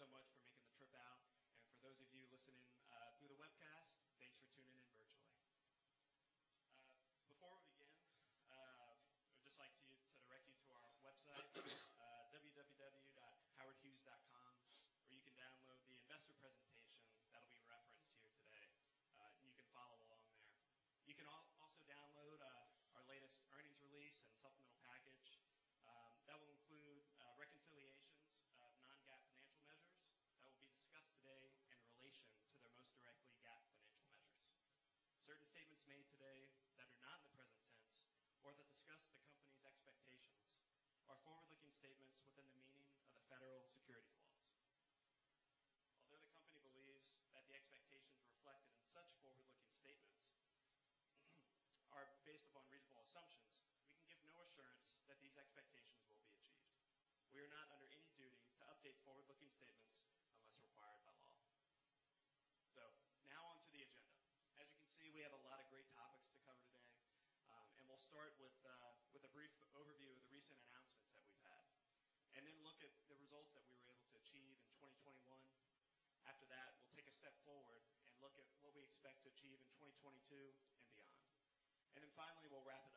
This year. For those of you in the audience, thanks so much for making the trip out. For those of you listening any duty to update forward-looking statements unless required by law. Now on to the agenda. As you can see, we have a lot of great topics to cover today. We'll start with a brief overview of the recent announcements that we've had, and then look at the results that we were able to achieve in 2021. After that, we'll take a step forward and look at what we expect to achieve in 2022 and beyond. Then finally, we'll wrap it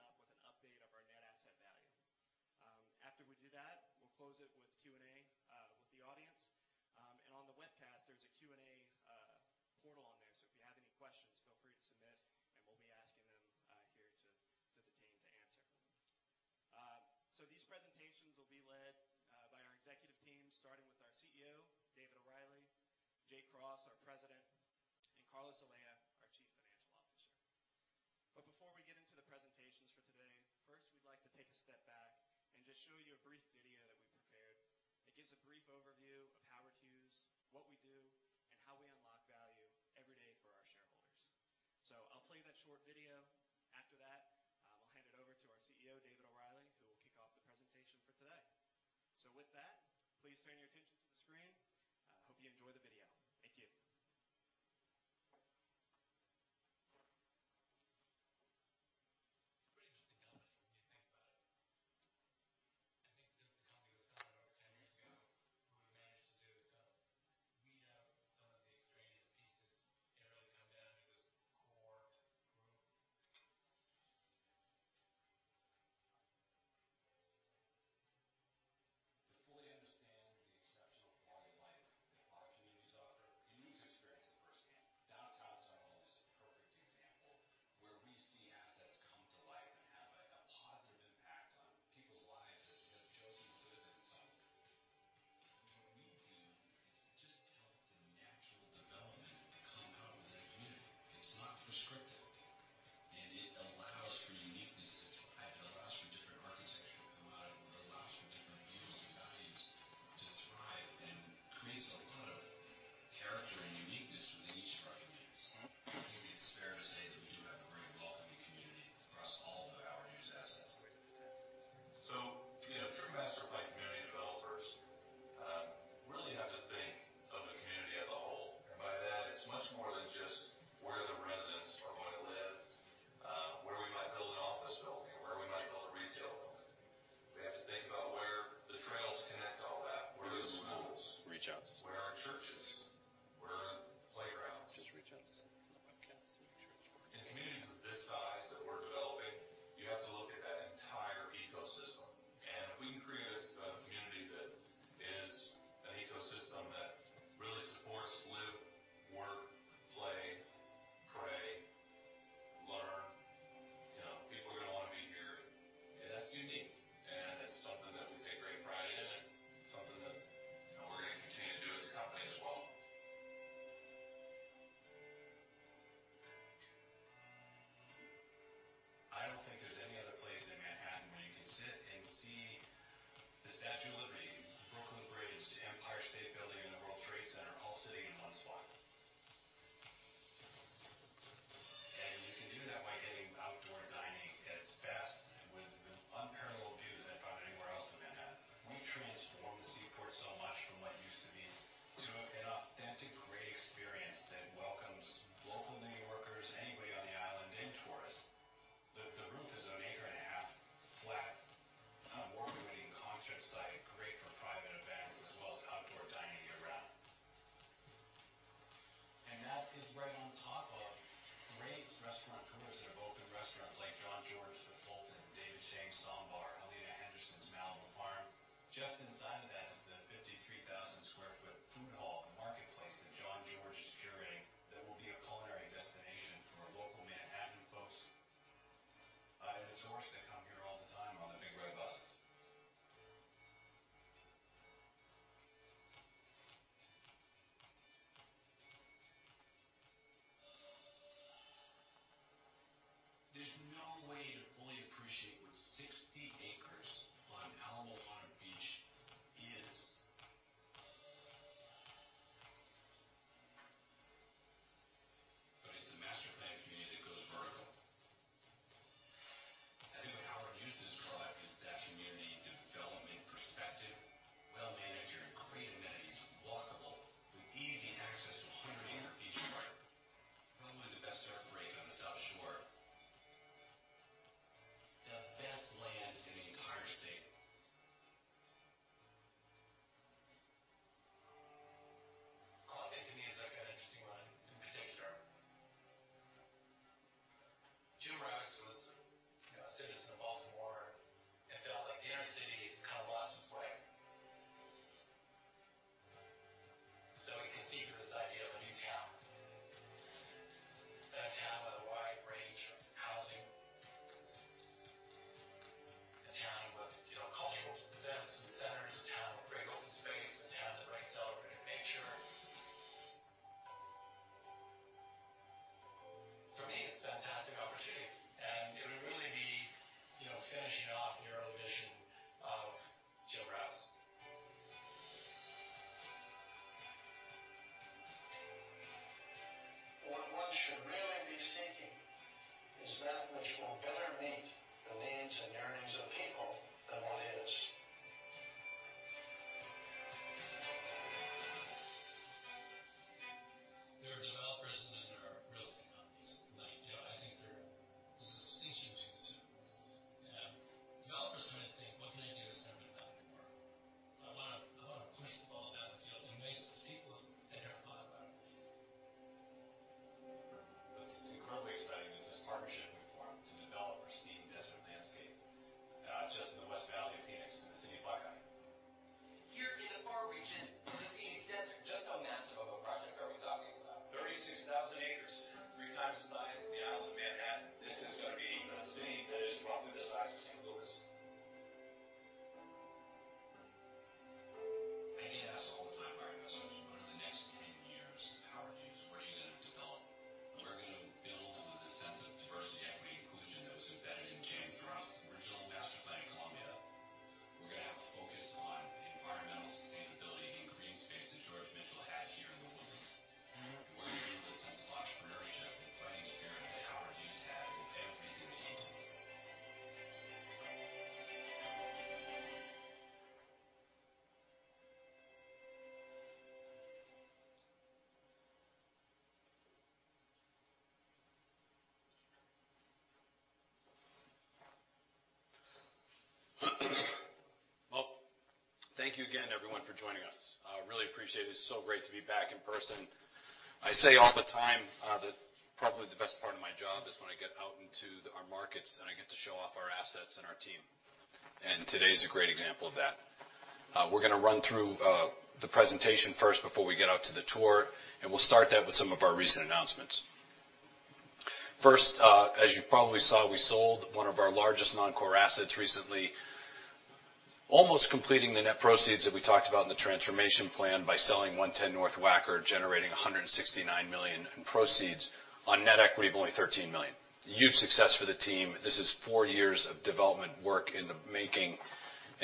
almost completing the net proceeds that we talked about in the transformation plan by selling 110 North Wacker, generating $169 million in proceeds on net equity of only $13 million. Huge success for the team. This is four years of development work in the making.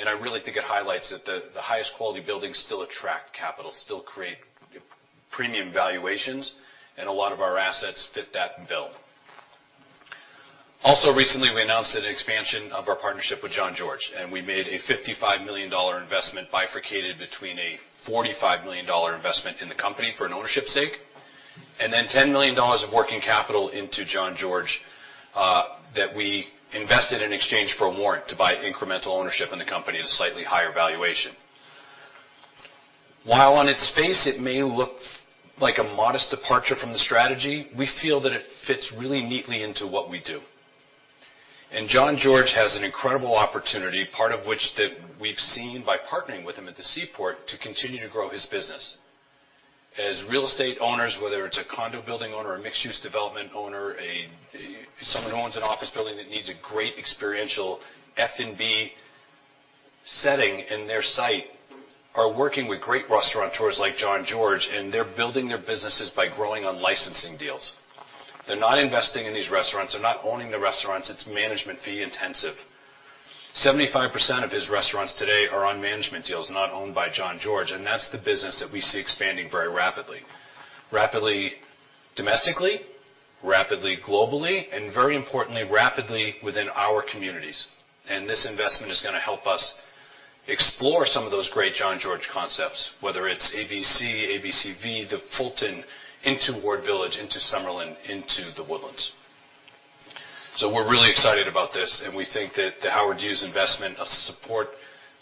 I really think it highlights that the highest quality buildings still attract capital, still create premium valuations, and a lot of our assets fit that bill. Also recently, we announced an expansion of our partnership with Jean-Georges, and we made a $55 million investment bifurcated between a $45 million investment in the company for an ownership stake, and then $10 million of working capital into Jean-Georges that we invested in exchange for a warrant to buy incremental ownership in the company at a slightly higher valuation. While on its face it may look like a modest departure from the strategy, we feel that it fits really neatly into what we do. Jean-Georges has an incredible opportunity, part of which that we've seen by partnering with him at the Seaport to continue to grow his business. As real estate owners, whether it's a condo building owner, a mixed-use development owner, someone who owns an office building that needs a great experiential F&B setting in their site are working with great restaurateurs like Jean-Georges, and they're building their businesses by growing on licensing deals. They're not investing in these restaurants. They're not owning the restaurants. It's management fee intensive. 75% of his restaurants today are on management deals, not owned by Jean-Georges, and that's the business that we see expanding very rapidly. Rapidly domestically, rapidly globally, and very importantly, rapidly within our communities. This investment is gonna help us explore some of those great Jean-Georges concepts, whether it's ABC, ABCV, The Fulton into Ward Village, into Summerlin, into The Woodlands. We're really excited about this, and we think that the Howard Hughes investment of support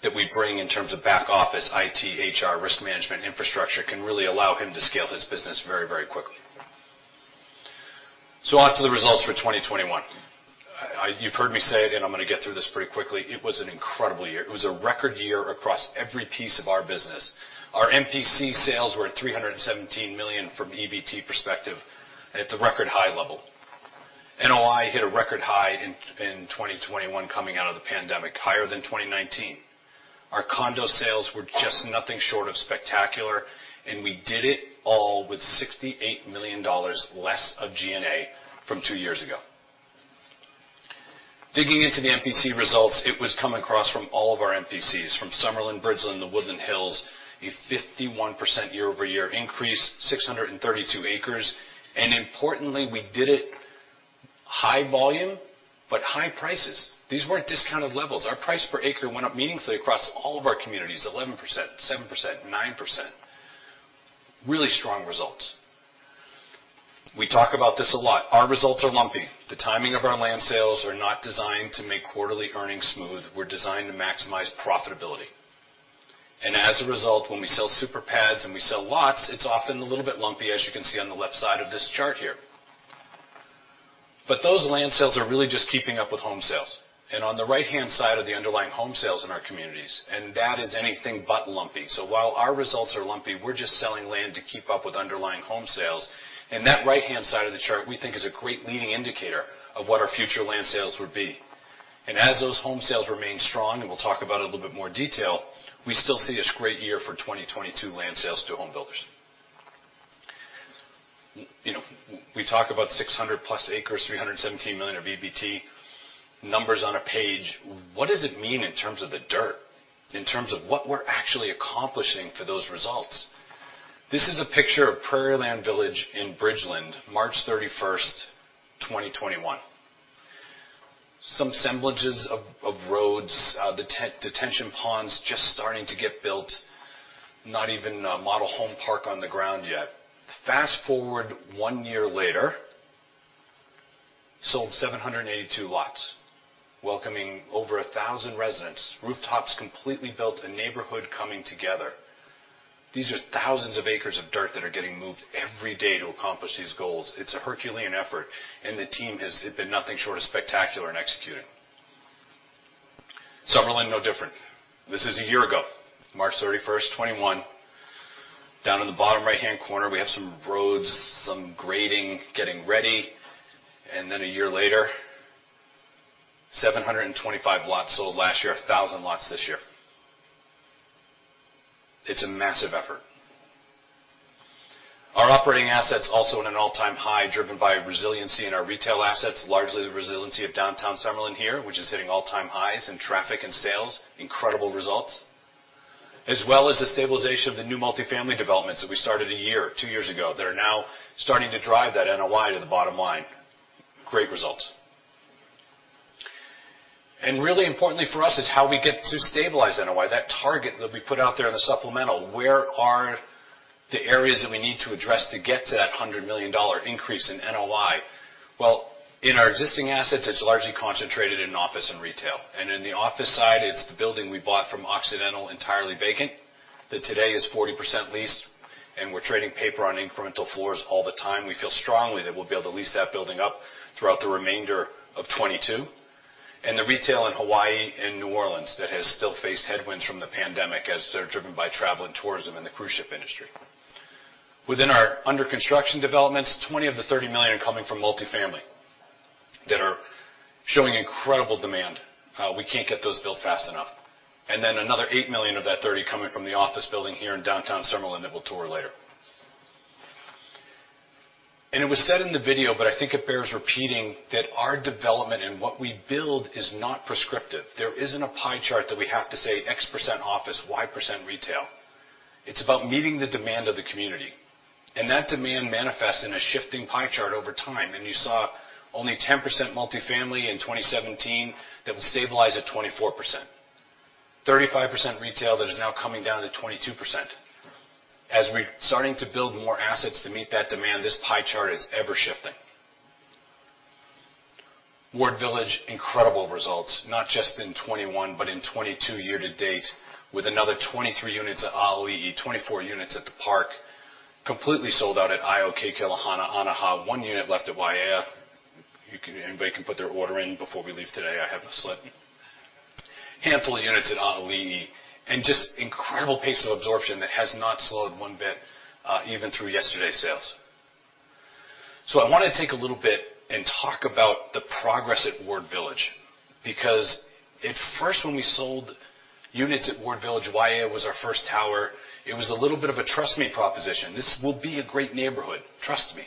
that we bring in terms of back office, IT, HR, risk management, infrastructure can really allow him to scale his business very, very quickly. On to the results for 2021. You've heard me say it, and I'm gonna get through this pretty quickly. It was an incredible year. It was a record year across every piece of our business. Our MPC sales were at $317 million from EBIT perspective at the record high level. NOI hit a record high in 2021 coming out of the pandemic, higher than 2019. Our condo sales were just nothing short of spectacular, and we did it all with $68 million less of G&A from two years ago. Digging into the MPC results, it was coming across from all of our MPCs. From Summerlin, Bridgeland, to The Woodlands, a 51% year-over-year increase, 632 acres. Importantly, we did it. High volume, but high prices. These weren't discounted levels. Our price per acre went up meaningfully across all of our communities, 11%, 7%, 9%. Really strong results. We talk about this a lot. Our results are lumpy. The timing of our land sales are not designed to make quarterly earnings smooth. We're designed to maximize profitability. As a result, when we sell superpads and we sell lots, it's often a little bit lumpy, as you can see on the left side of this chart here. Those land sales are really just keeping up with home sales. On the right-hand side are the underlying home sales in our communities, and that is anything but lumpy. While our results are lumpy, we're just selling land to keep up with underlying home sales. That right-hand side of the chart, we think is a great leading indicator of what our future land sales would be. As those home sales remain strong, and we'll talk about it in a little bit more detail, we still see this great year for 2022 land sales to home builders. You know, we talk about 600+ acres, $317 million of EBIT, numbers on a page. What does it mean in terms of the dirt, in terms of what we're actually accomplishing for those results? This is a picture of Prairieland Village in Bridgeland, March 31st, 2021. Some semblance of roads, the detention ponds just starting to get built, not even a model home park on the ground yet. Fast-forward one year later, sold 782 lots, welcoming over 1,000 residents, rooftops completely built, a neighborhood coming together. These are thousands of acres of dirt that are getting moved every day to accomplish these goals. It's a Herculean effort, and the team has been nothing short of spectacular in executing. Summerlin, no different. This is a year ago, March 31st, 2021. Down in the bottom right-hand corner, we have some roads, some grading, getting ready. Then a year later, 725 lots sold last year, 1,000 lots this year. It's a massive effort. Our operating assets also at an all-time high, driven by resiliency in our retail assets, largely the resiliency of Downtown Summerlin here, which is hitting all-time highs in traffic and sales. Incredible results. As well as the stabilization of the new multi-family developments that we started a year or two years ago that are now starting to drive that NOI to the bottom line. Great results. Really importantly for us is how we get to stabilized NOI, that target that we put out there in the supplemental. Where are the areas that we need to address to get to that $100 million increase in NOI? Well, in our existing assets, it's largely concentrated in office and retail. In the office side, it's the building we bought from Occidental entirely vacant, that today is 40% leased, and we're trading paper on incremental floors all the time. We feel strongly that we'll be able to lease that building up throughout the remainder of 2022. The retail in Hawaii and New Orleans that has still faced headwinds from the pandemic as they're driven by travel and tourism and the cruise ship industry. Within our under construction developments, $20 million of the $30 million are coming from multi-family that are showing incredible demand. We can't get those built fast enough. Then another $8 million of that $30 million coming from the office building here in Downtown Summerlin that we'll tour later. It was said in the video, but I think it bears repeating, that our development and what we build is not prescriptive. There isn't a pie chart that we have to say X% office, Y% retail. It's about meeting the demand of the community. That demand manifests in a shifting pie chart over time. You saw only 10% multi-family in 2017 that will stabilize at 24%. 35% retail that is now coming down to 22%. As we're starting to build more assets to meet that demand, this pie chart is ever-shifting. Ward Village, incredible results, not just in 2021, but in 2022 year-to-date, with another 23 units at ʻAʻaliʻi 24 units at The Park, completely sold out at Aeʻo, Ke Kilohana, ʻAnaha. One unit left at Waiea. Anybody can put their order in before we leave today. I have a slip. Handful of units at ʻAʻaliʻi. Just incredible pace of absorption that has not slowed one bit, even through yesterday's sales. I wanna take a little bit and talk about the progress at Ward Village because at first when we sold units at Ward Village, Waiea was our first tower. It was a little bit of a trust me proposition. This will be a great neighborhood, trust me.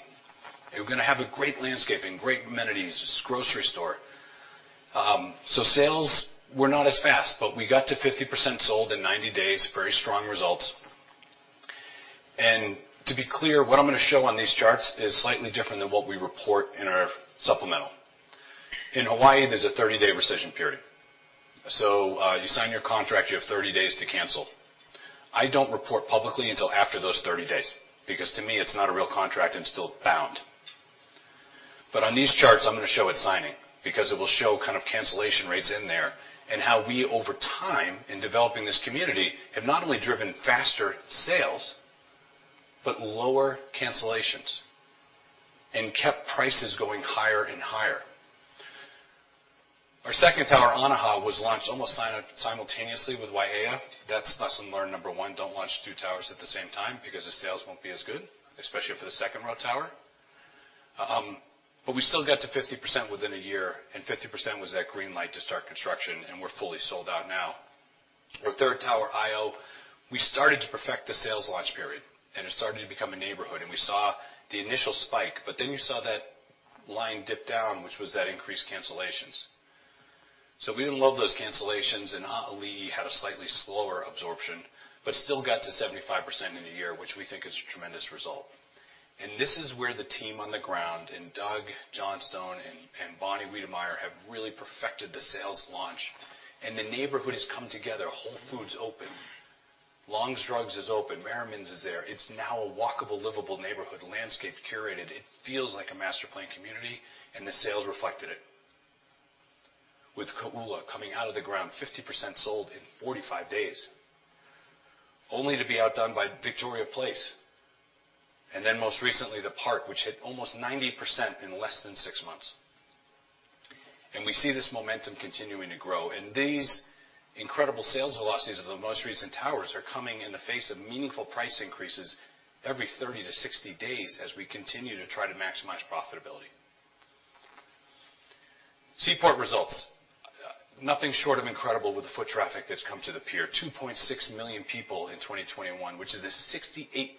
You're gonna have a great landscaping, great amenities, grocery store. Sales were not as fast, but we got to 50% sold in 90 days. Very strong results. To be clear, what I'm gonna show on these charts is slightly different than what we report in our supplemental. In Hawaiʻi, there's a 30-day rescission period. You sign your contract, you have 30 days to cancel. I don't report publicly until after those 30 days because to me, it's not a real contract until it's bound. On these charts, I'm gonna show at signing because it will show kind of cancellation rates in there and how we over time in developing this community have not only driven faster sales, but lower cancellations and kept prices going higher and higher. Our second tower, ʻAnaha, was launched almost simultaneously with Waiea. That's lesson learned number one, don't launch two towers at the same time because the sales won't be as good, especially for the second row tower. We still got to 50% within a year, and 50% was that green light to start construction, and we're fully sold out now. Our third tower, Aeʻo, we started to perfect the sales launch period, and it started to become a neighborhood. We saw the initial spike, but then you saw that line dip down, which was that increased cancellations. We didn't love those cancellations, and ʻAʻaliʻi had a slightly slower absorption, but still got to 75% in the year, which we think is a tremendous result. This is where the team on the ground, and Doug Johnstone and Bonnie Wedemeyer have really perfected the sales launch. The neighborhood has come together. Whole Foods opened. Longs Drugs is open. Merriman's is there. It's now a walkable, livable neighborhood, landscaped, curated. It feels like a master-planned community, and the sales reflected it. With Kōʻula coming out of the ground 50% sold in 45 days, only to be outdone by Victoria Place, and then most recently, The Park, which hit almost 90% in less than six months. We see this momentum continuing to grow. These incredible sales velocities of the most recent towers are coming in the face of meaningful price increases every 30 to 60 days as we continue to try to maximize profitability. Seaport results. Nothing short of incredible with the foot traffic that's come to the pier. 2.6 million people in 2021, which is a 68%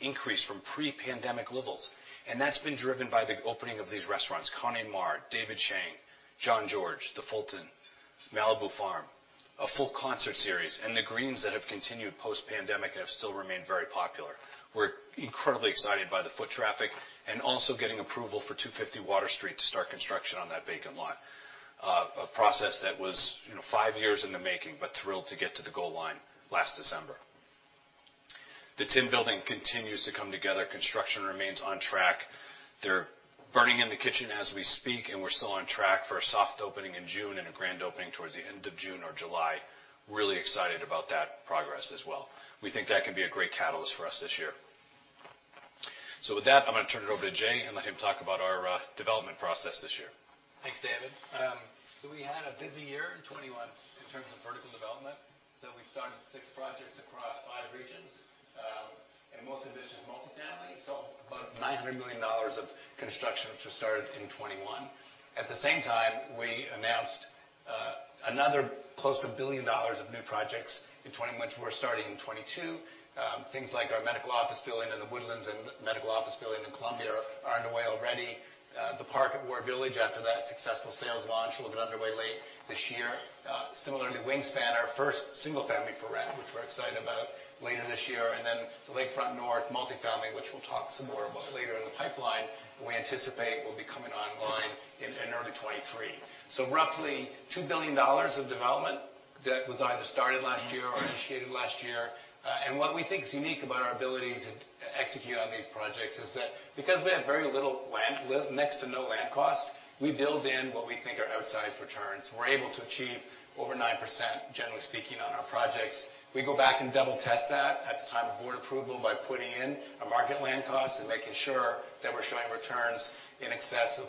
increase from pre-pandemic levels. That's been driven by the opening of these restaurants, Carne Mare, David Chang, Jean-Georges Vongerichten, The Fulton, Malibu Farm, a full concert series, and the greens that have continued post-pandemic and have still remained very popular. We're incredibly excited by the foot traffic and also getting approval for 250 Water Street to start construction on that vacant lot. A process that was, you know, five years in the making, but thrilled to get to the goal line last December. The Tin Building continues to come together. Construction remains on track. They're burning in the kitchen as we speak, and we're still on track for a soft opening in June and a grand opening towards the end of June or July. Really excited about that progress as well. We think that can be a great catalyst for us this year. With that, I'm gonna turn it over to Jay and let him talk about our development process this year. Thanks, David. We had a busy year in 2021 in terms of vertical development. We started six projects across five regions, and most of this is multi-family. About $900 million of construction which was started in 2021. At the same time, we announced another close to $1 billion of new projects in 2022 which we're starting in 2022. Things like our medical office building in The Woodlands and medical office building in Columbia are underway already. The Park Ward Village, after that successful sales launch, will get underway late this year. Similarly, Wingspan, our first single-family for rent, which we're excited about, later this year. Then Lakefront North multi-family, which we'll talk some more about later in the pipeline, we anticipate will be coming online in early 2023. Roughly $2 billion of development that was either started last year or initiated last year. What we think is unique about our ability to execute on these projects is that because we have very little land, next to no land costs, we build in what we think are outsized returns. We're able to achieve over 9%, generally speaking, on our projects. We go back and double test that at the time of board approval by putting in a market land cost and making sure that we're showing returns in excess of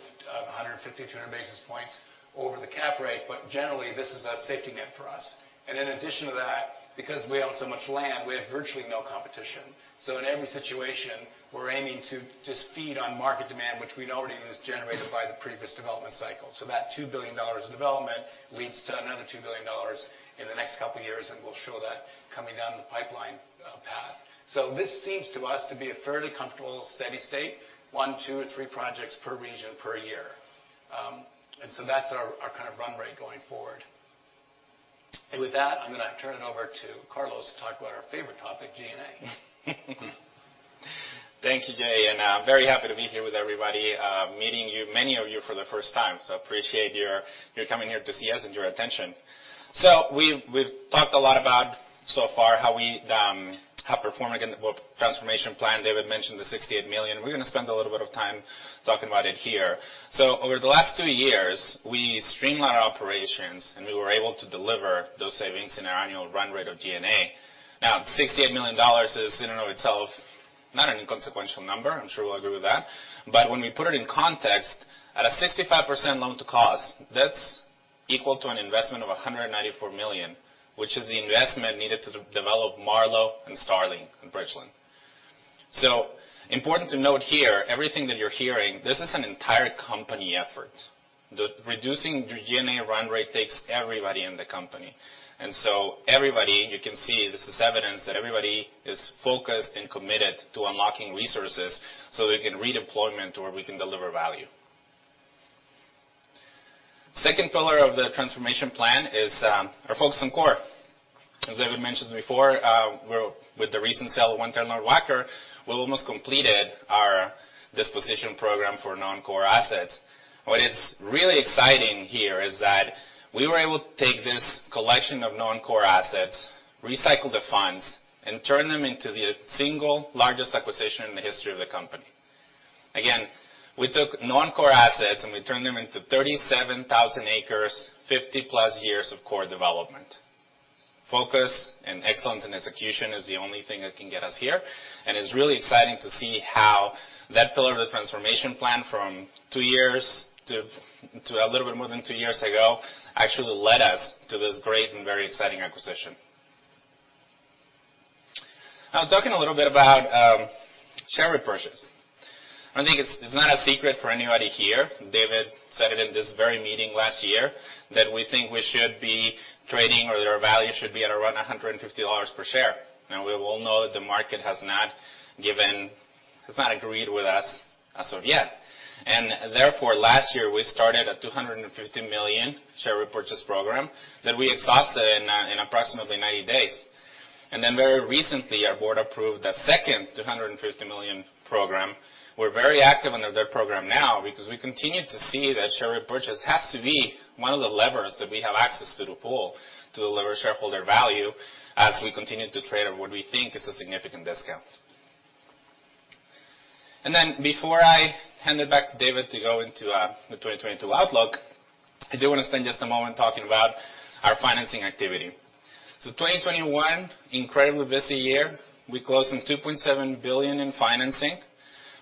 150 to 200 basis points over the cap rate. But generally, this is a safety net for us. In addition to that, because we own so much land, we have virtually no competition. In every situation, we're aiming to just feed on market demand, which we know already was generated by the previous development cycle. That $2 billion of development leads to another $2 billion in the next couple of years, and we'll show that coming down the pipeline path. This seems to us to be a fairly comfortable steady state, one, two, or three projects per region per year. That's our kind of run rate going forward. With that, I'm gonna turn it over to Carlos to talk about our favorite topic, G&A. Thank you, Jay. I'm very happy to be here with everybody, meeting you, many of you for the first time. I appreciate your coming here to see us and your attention. We've talked a lot about so far how we're performing in the transformation plan. David mentioned the $68 million. We're gonna spend a little bit of time talking about it here. Over the last two years, we streamlined our operations, and we were able to deliver those savings in our annual run rate of G&A. Now, $68 million is in and of itself not an inconsequential number. I'm sure we'll agree with that. When we put it in context, at a 65% Loan-to-Cost, that's equal to an investment of $194 million, which is the investment needed to develop Marlowe and Starling in Bridgeland. Important to note here, everything that you're hearing, this is an entire company effort. Reducing the G&A run rate takes everybody in the company. Everybody, you can see this is evidence that everybody is focused and committed to unlocking resources so we can redeploy to where we can deliver value. Second pillar of the transformation plan is our focus on core. As David mentioned before, with the recent sale of 110 North Wacker, we almost completed our disposition program for non-core assets. What is really exciting here is that we were able to take this collection of non-core assets, recycle the funds, and turn them into the single largest acquisition in the history of the company. Again, we took non-core assets, and we turned them into 37,000 acres, 50+ years of core development. Focus and excellence in execution is the only thing that can get us here. It's really exciting to see how that pillar of the transformation plan from two years to a little bit more than two years ago actually led us to this great and very exciting acquisition. Now talking a little bit about share repurchase. I think it's not a secret for anybody here. David said it in this very meeting last year, that we think we should be trading or their value should be at around $150 per share. Now we all know that the market has not agreed with us as of yet. Therefore, last year, we started a $250 million share repurchase program that we exhausted in approximately 90 days. Then very recently, our board approved a second $250 million program. We're very active under that program now because we continue to see that share repurchase has to be one of the levers that we have access to the pool to deliver shareholder value as we continue to trade at what we think is a significant discount. Then before I hand it back to David to go into the 2022 outlook, I do wanna spend just a moment talking about our financing activity. 2021, incredibly busy year. We closed on $2.7 billion in financing.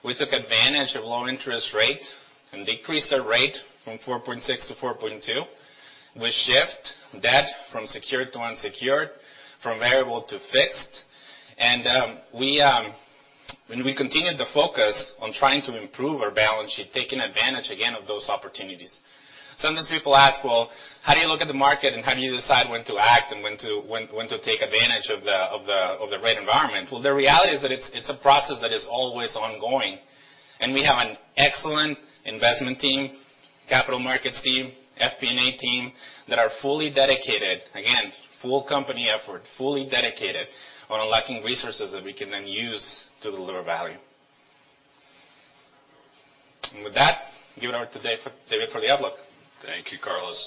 We took advantage of low interest rate and decreased our rate from 4.6% to 4.2%. We shift debt from secured to unsecured, from variable to fixed. When we continued to focus on trying to improve our balance sheet, taking advantage again of those opportunities. Sometimes people ask, "Well, how do you look at the market, and how do you decide when to act and when to take advantage of the rate environment?" Well, the reality is that it's a process that is always ongoing. We have an excellent investment team, capital markets team, FP&A team that are fully dedicated, again, full company effort, fully dedicated on unlocking resources that we can then use to deliver value. With that, give it over to David for the outlook. Thank you, Carlos.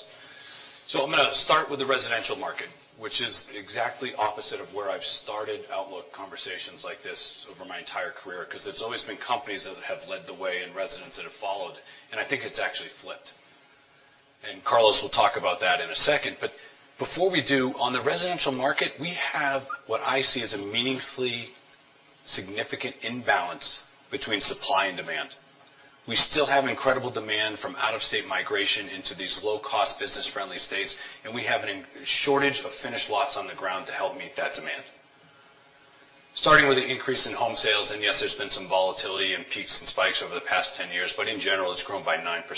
I'm gonna start with the residential market, which is exactly opposite of where I've started outlook conversations like this over my entire career because there's always been companies that have led the way and retailers that have followed, and I think it's actually flipped. Carlos will talk about that in a second. Before we do, on the residential market, we have what I see as a meaningfully significant imbalance between supply and demand. We still have incredible demand from out-of-state migration into these low-cost, business-friendly states, and we have an inventory shortage of finished lots on the ground to help meet that demand. Starting with an increase in home sales, and yes, there's been some volatility and peaks and spikes over the past 10 years, but in general, it's grown by 9%.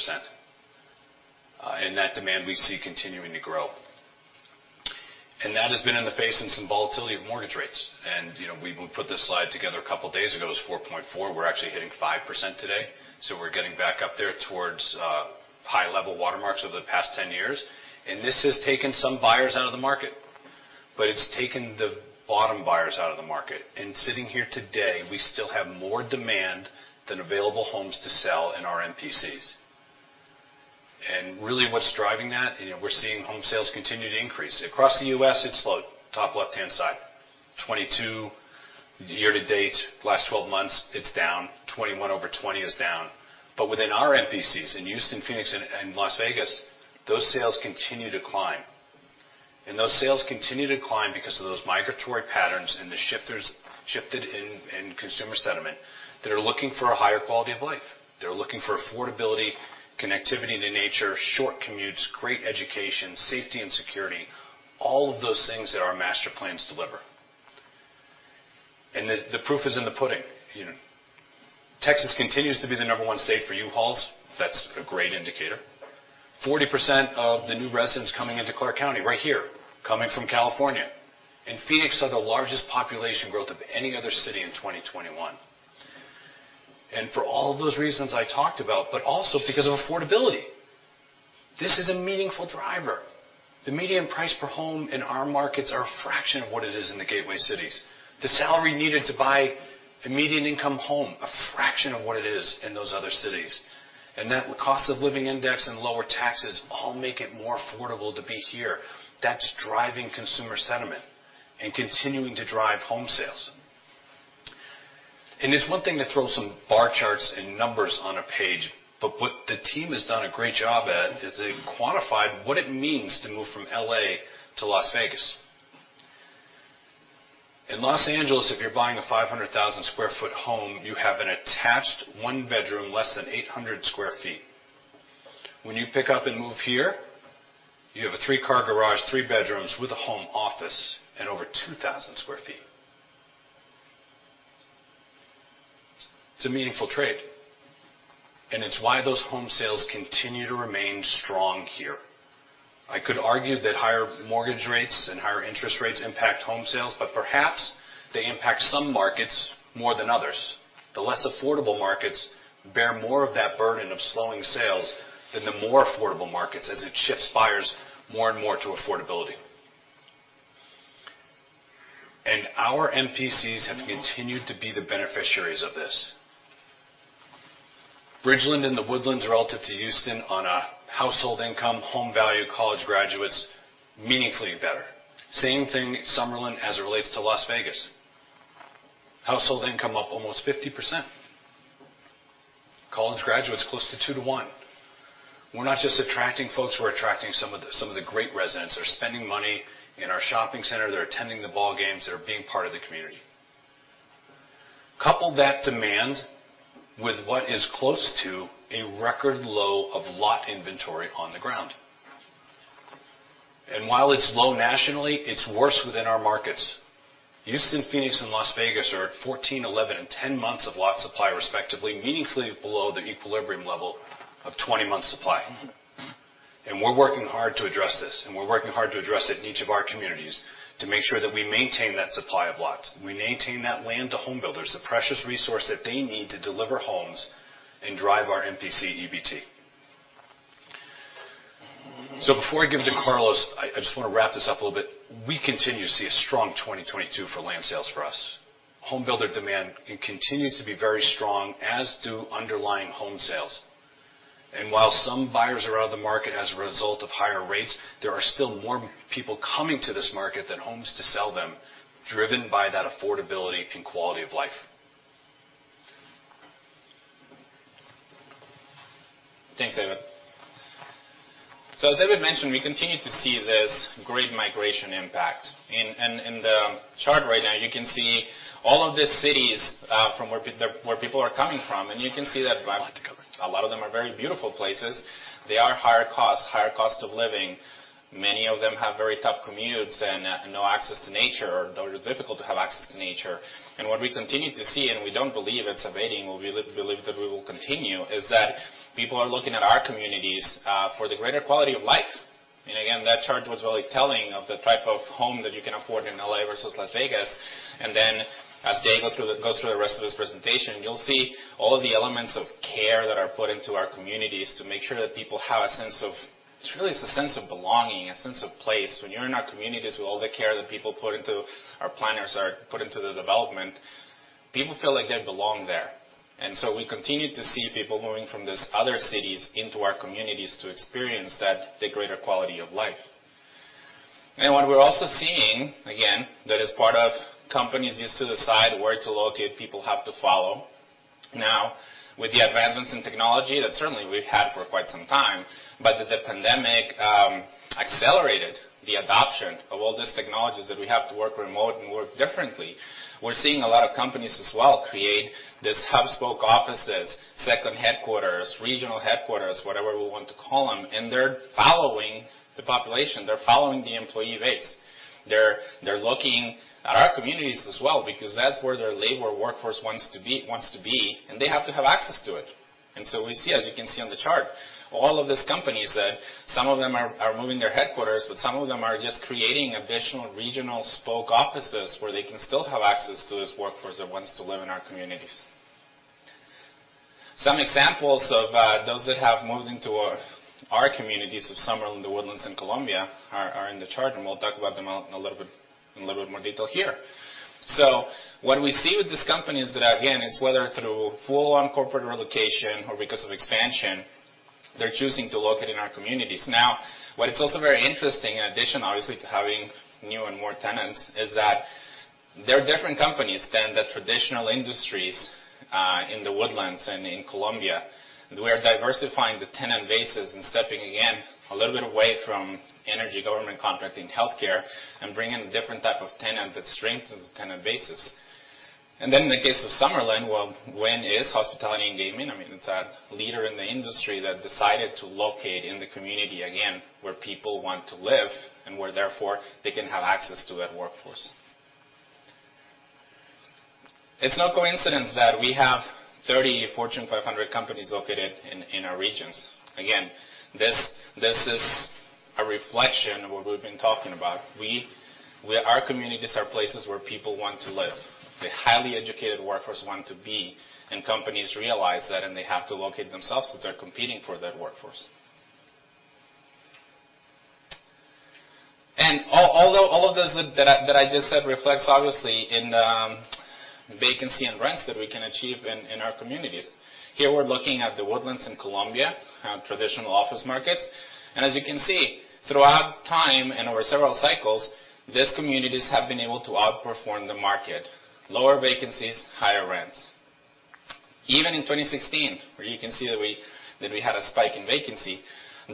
That demand we see continuing to grow. That has been in the face of some volatility of mortgage rates. You know, we put this slide together a couple days ago. It was 4.4. We're actually hitting 5% today, so we're getting back up there towards high-level watermarks over the past 10 years. This has taken some buyers out of the market, but it's taken the bottom buyers out of the market. Sitting here today, we still have more demand than available homes to sell in our MPCs. Really what's driving that, you know, we're seeing home sales continue to increase. Across the U.S., it's slow. Top left-hand side. 2022 year-to-date, last 12 months, it's down. 2021 over 2020 is down. But within our MPCs in Houston, Phoenix, and Las Vegas, those sales continue to climb. Those sales continue to climb because of those migratory patterns and the shifts in consumer sentiment that are looking for a higher quality of life. They're looking for affordability, connectivity to nature, short commutes, great education, safety and security, all of those things that our master plans deliver. The proof is in the pudding. You know, Texas continues to be the number one state for U-Haul. That's a great indicator. 40% of the new residents coming into Clark County right here, coming from California. Phoenix saw the largest population growth of any other city in 2021. For all of those reasons I talked about, but also because of affordability. This is a meaningful driver. The median price per home in our markets are a fraction of what it is in the gateway cities. The salary needed to buy a median income home is a fraction of what it is in those other cities. That cost of living index and lower taxes all make it more affordable to be here. That's driving consumer sentiment and continuing to drive home sales. It's one thing to throw some bar charts and numbers on a page, but what the team has done a great job at is they've quantified what it means to move from L.A. to Las Vegas. In Los Angeles, if you're buying a $500,000 home, you have an attached one bedroom, less than 800 sq ft. When you pick up and move here, you have a three-car garage, three bedrooms with a home office and over 2,000 sq ft. It's a meaningful trade, and it's why those home sales continue to remain strong here. I could argue that higher mortgage rates and higher interest rates impact home sales, but perhaps they impact some markets more than others. The less affordable markets bear more of that burden of slowing sales than the more affordable markets as it shifts buyers more and more to affordability. Our MPCs have continued to be the beneficiaries of this. Bridgeland and The Woodlands relative to Houston on a household income, home value, college graduates, meaningfully better. Same thing Summerlin as it relates to Las Vegas. Household income up almost 50%. College graduates close to 2-to-1. We're not just attracting folks. We're attracting some of the great residents. They're spending money in our shopping center. They're attending the ball games. They're being part of the community. Couple that demand with what is close to a record low of lot inventory on the ground. While it's low nationally, it's worse within our markets. Houston, Phoenix, and Las Vegas are at 14, 11, and 10 months of lot supply respectively, meaningfully below the equilibrium level of 20 months supply. We're working hard to address this, and we're working hard to address it in each of our communities to make sure that we maintain that supply of lots, we maintain that land to homebuilders, the precious resource that they need to deliver homes and drive our MPC EBT. Before I give to Carlos, I just wanna wrap this up a little bit. We continue to see a strong 2022 for land sales for us. Home builder demand continues to be very strong, as do underlying home sales. While some buyers are out of the market as a result of higher rates, there are still more people coming to this market than homes to sell them, driven by that affordability and quality of life. Thanks, David. As David mentioned, we continue to see this great migration impact. In the chart right now, you can see all of the cities from where people are coming from. You can see that— A lot to cover. A lot of them are very beautiful places. They are higher cost, higher cost of living. Many of them have very tough commutes and no access to nature, or it is difficult to have access to nature. What we continue to see, and we don't believe it's abating, we believe that we will continue, is that people are looking at our communities for the greater quality of life. Again, that chart was really telling of the type of home that you can afford in L.A. versus Las Vegas. Then as David goes through the rest of this presentation, you'll see all of the elements of care that are put into our communities to make sure that people have a sense of belonging, a sense of place. When you're in our communities with all the care that our planners put into the development, people feel like they belong there. We continue to see people moving from these other cities into our communities to experience that, the greater quality of life. What we're also seeing, again, that is part of companies used to decide where to locate, people have to follow. Now, with the advancements in technology that certainly we've had for quite some time, but that the pandemic accelerated the adoption of all these technologies that we have to work remote and work differently. We're seeing a lot of companies as well create these hub-and-spoke offices, second headquarters, regional headquarters, whatever we want to call them, and they're following the population. They're following the employee base. They're looking at our communities as well because that's where their labor workforce wants to be, and they have to have access to it. We see, as you can see on the chart, all of these companies that some of them are moving their headquarters, but some of them are just creating additional regional spoke offices where they can still have access to this workforce that wants to live in our communities. Some examples of those that have moved into our communities of Summerlin, The Woodlands, and Columbia are in the chart, and we'll talk about them in a little bit more detail here. What we see with these companies is that, again, it's whether through full on corporate relocation or because of expansion, they're choosing to locate in our communities. Now, what is also very interesting, in addition, obviously, to having new and more tenants, is that they're different companies than the traditional industries in The Woodlands and in Columbia. We are diversifying the tenant bases and stepping, again, a little bit away from energy, government, contracting, healthcare and bringing a different type of tenant that strengthens the tenant bases. Then in the case of Summerlin, well, Wynn is hospitality and gaming. I mean, it's a leader in the industry that decided to locate in the community again, where people want to live and where therefore they can have access to that workforce. It's no coincidence that we have 30 Fortune 500 companies located in our regions. Again, this is a reflection of what we've been talking about. Our communities are places where people want to live, the highly educated workforce want to be, and companies realize that, and they have to locate themselves since they're competing for that workforce. Although all of this that I just said reflects obviously in vacancy and rents that we can achieve in our communities. Here, we're looking at The Woodlands in Columbia, traditional office markets. As you can see, throughout time and over several cycles, these communities have been able to outperform the market. Lower vacancies, higher rents. Even in 2016, where you can see that we had a spike in vacancy,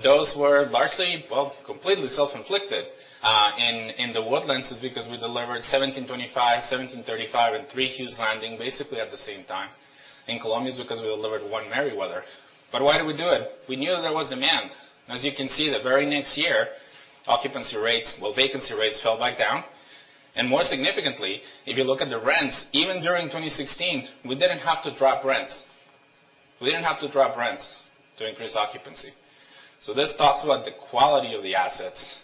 those were largely completely self-inflicted. In The Woodlands, it's because we delivered 1725, 1735, and three Hughes Landing basically at the same time. In Columbia, it's because we delivered One Merriweather. Why do we do it? We knew there was demand. As you can see, the very next year, vacancy rates fell back down. More significantly, if you look at the rents, even during 2016, we didn't have to drop rents. We didn't have to drop rents to increase occupancy. This talks about the quality of the assets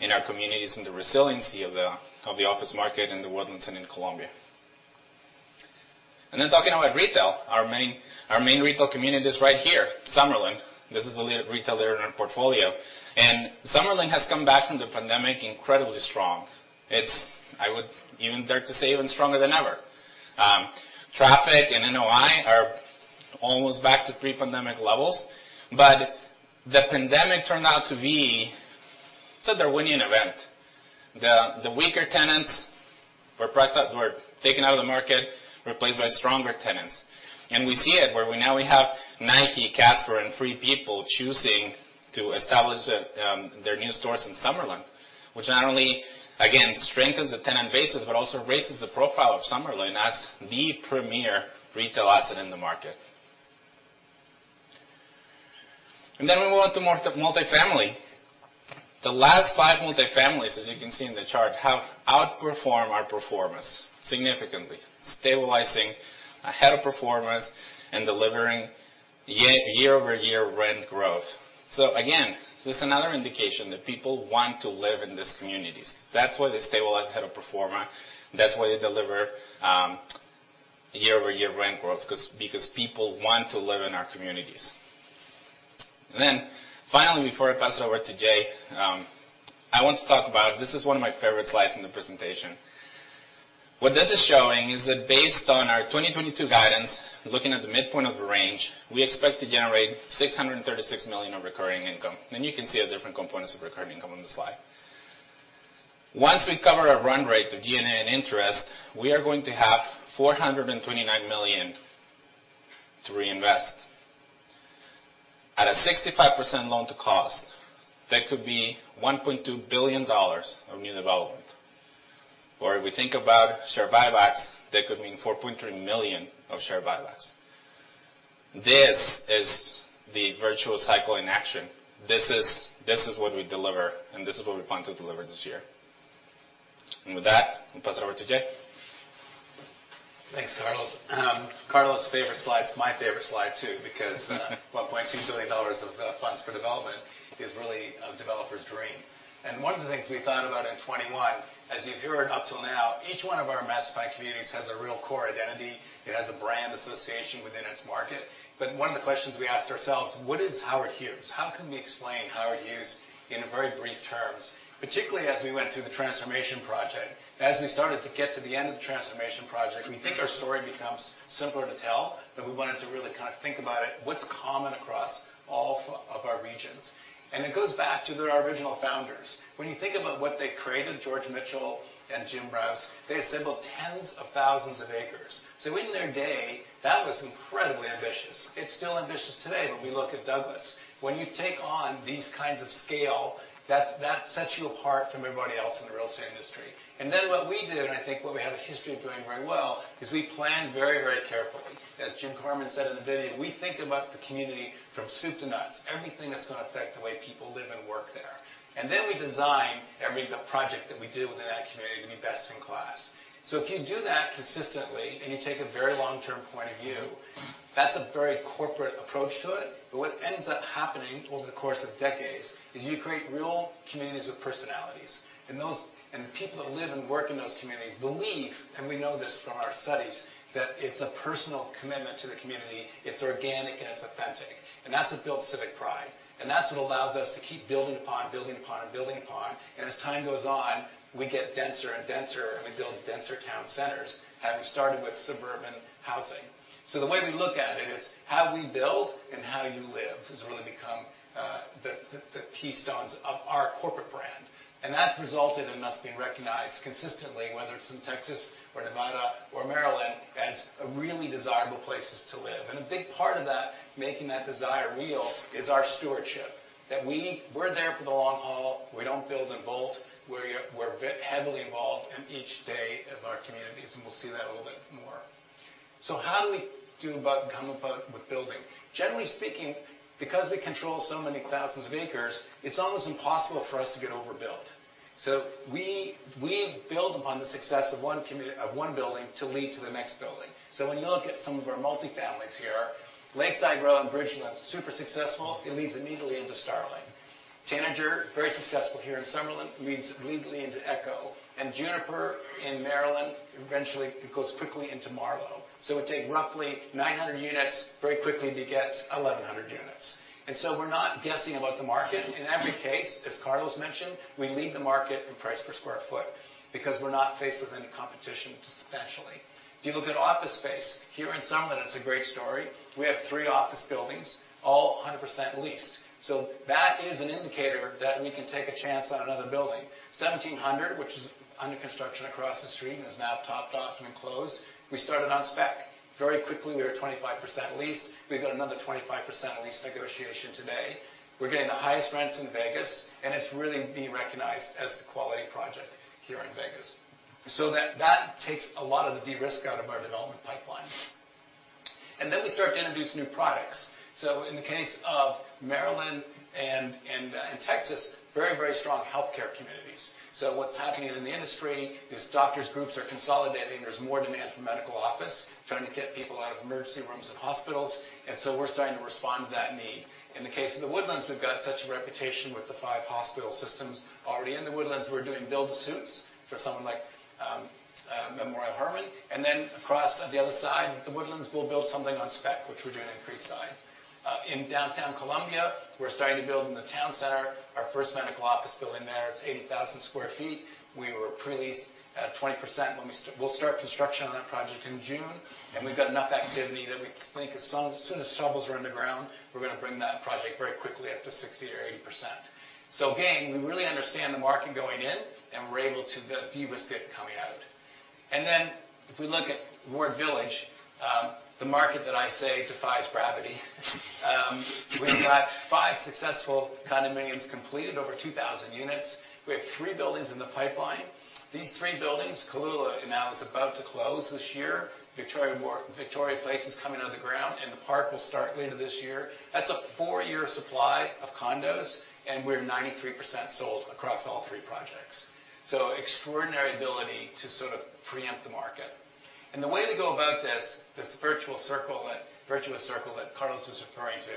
in our communities and the resiliency of the office market in The Woodlands and in Columbia. Then talking about retail, our main retail community is right here, Summerlin. This is a retailer in our portfolio. Summerlin has come back from the pandemic incredibly strong. It's. I would even dare to say even stronger than ever. Traffic and NOI are almost back to pre-pandemic levels. The pandemic turned out to be sort of a winning event. The weaker tenants were taken out of the market, replaced by stronger tenants. We see it where we now have Nike, Casper, and Free People choosing to establish their new stores in Summerlin, which not only, again, strengthens the tenant bases, but also raises the profile of Summerlin as the premier retail asset in the market. Then we move on to multi-family. The last five multi-families, as you can see in the chart, have outperformed our pro-forma significantly, stabilizing ahead of pro-forma and delivering year-over-year rent growth. Again, this is another indication that people want to live in these communities. That's why they stabilize ahead of pro-forma. That's why they deliver year-over-year rent growth, because people want to live in our communities. Finally, before I pass it over to Jay, I want to talk about. This is one of my favorite slides in the presentation. What this is showing is that based on our 2022 guidance, looking at the midpoint of the range, we expect to generate $636 million of recurring income. You can see the different components of recurring income on the slide. Once we cover our run rate of G&A and interest, we are going to have $429 million to reinvest. At a 65% Loan-to-Cost, that could be $1.2 billion of new development. Or if we think about share buybacks, that could mean $4.3 million of share buybacks. This is the virtuous cycle in action. This is what we deliver, and this is what we plan to deliver this year. With that, I'll pass it over to Jay. Thanks, Carlos. Carlos' favorite slide is my favorite slide, too, because $1.2 billion of funds for development is really a developer's dream. One of the things we thought about in 2021, as you've heard up till now, each one of our Master Planned Communities has a real core identity. It has a brand association within its market. One of the questions we asked ourselves: What is Howard Hughes? How can we explain Howard Hughes in very brief terms, particularly as we went through the transformation project? As we started to get to the end of the transformation project, we think our story becomes simpler to tell, but we wanted to really kind of think about it, what's common across all of our regions. It goes back to their original founders. When you think about what they created, George Mitchell and Jim Rouse, they assembled tens of thousands of acres. In their day, that was incredibly ambitious. It's still ambitious today when we look at Douglas. When you take on these kinds of scale, that sets you apart from everybody else in the real estate industry. What we did, and I think what we have a history of doing very well, is we plan very, very carefully. As Jim Carman said in the video, we think about the community from soup to nuts, everything that's gonna affect the way people live and work there. We design every project that we do within that community to be best in class. If you do that consistently, and you take a very long-term point of view, that's a very corporate approach to it. What ends up happening over the course of decades is you create real communities with personalities. The people that live and work in those communities believe, and we know this from our studies, that it's a personal commitment to the community. It's organic, and it's authentic. That's what builds civic pride. That's what allows us to keep building upon. As time goes on, we get denser and denser, and we build denser town centers, having started with suburban housing. The way we look at it is how we build and how you live has really become the keystones of our corporate brand. That's resulted in us being recognized consistently, whether it's in Texas or Nevada or Maryland, as really desirable places to live. A big part of that, making that desire real, is our stewardship. We're there for the long haul. We don't build and bolt. We're heavily involved every day in our communities, and we'll see that a little bit more. How do we go about building? Generally speaking, because we control so many thousands of acres, it's almost impossible for us to get overbuilt. We build upon the success of one community to lead to the next building. When you look at some of our multi-family here, Lakeside Row and Bridgeland, super successful. It leads immediately into Starling. Tanager, very successful here in Summerlin, leads logically into Echo. Juniper in Maryland, eventually it goes quickly into Marlowe. It would take roughly 900 units very quickly to get 1,100 units. We're not guessing about the market. In every case, as Carlos mentioned, we lead the market in price per square foot because we're not faced with any competition substantially. If you look at office space, here in Summerlin, it's a great story. We have three office buildings, all 100% leased. That is an indicator that we can take a chance on another building. 1700, which is under construction across the street, and is now topped off and enclosed, we started on spec. Very quickly, we are at 25% leased. We've got another 25% lease negotiation today. We're getting the highest rents in Vegas, and it's really being recognized as the quality project here in Vegas. That takes a lot of the de-risk out of our development pipeline. Then we start to introduce new products. In the case of Maryland and in Texas, very strong healthcare communities. What's happening in the industry is doctors groups are consolidating. There's more demand for medical office, trying to get people out of emergency rooms and hospitals. We're starting to respond to that need. In the case of The Woodlands, we've got such a reputation with the five hospital systems already in The Woodlands. We're doing build-to-suits for someone like Memorial Hermann. Across on the other side of The Woodlands, we'll build something on spec, which we're doing in Creekside. In Downtown Columbia, we're starting to build in the town center. Our first medical office building there, it's 80,000 sq ft. We were pre-leased at 20% when we'll start construction on that project in June, and we've got enough activity that we think as soon as shovels are in the ground, we're gonna bring that project very quickly up to 60% or 80%. Again, we really understand the market going in, and we're able to de-risk it coming out. If we look at Ward Village, the market that I say defies gravity. We've got five successful condominiums completed, over 2,000 units. We have three buildings in the pipeline. These three buildings, Kalae, now is about to close this year. Victoria Place is coming out of the ground, and the Park will start later this year. That's a four-year supply of condos, and we're 93% sold across all three projects. Extraordinary ability to sort of preempt the market. The way we go about this, virtuous circle that Carlos was referring to.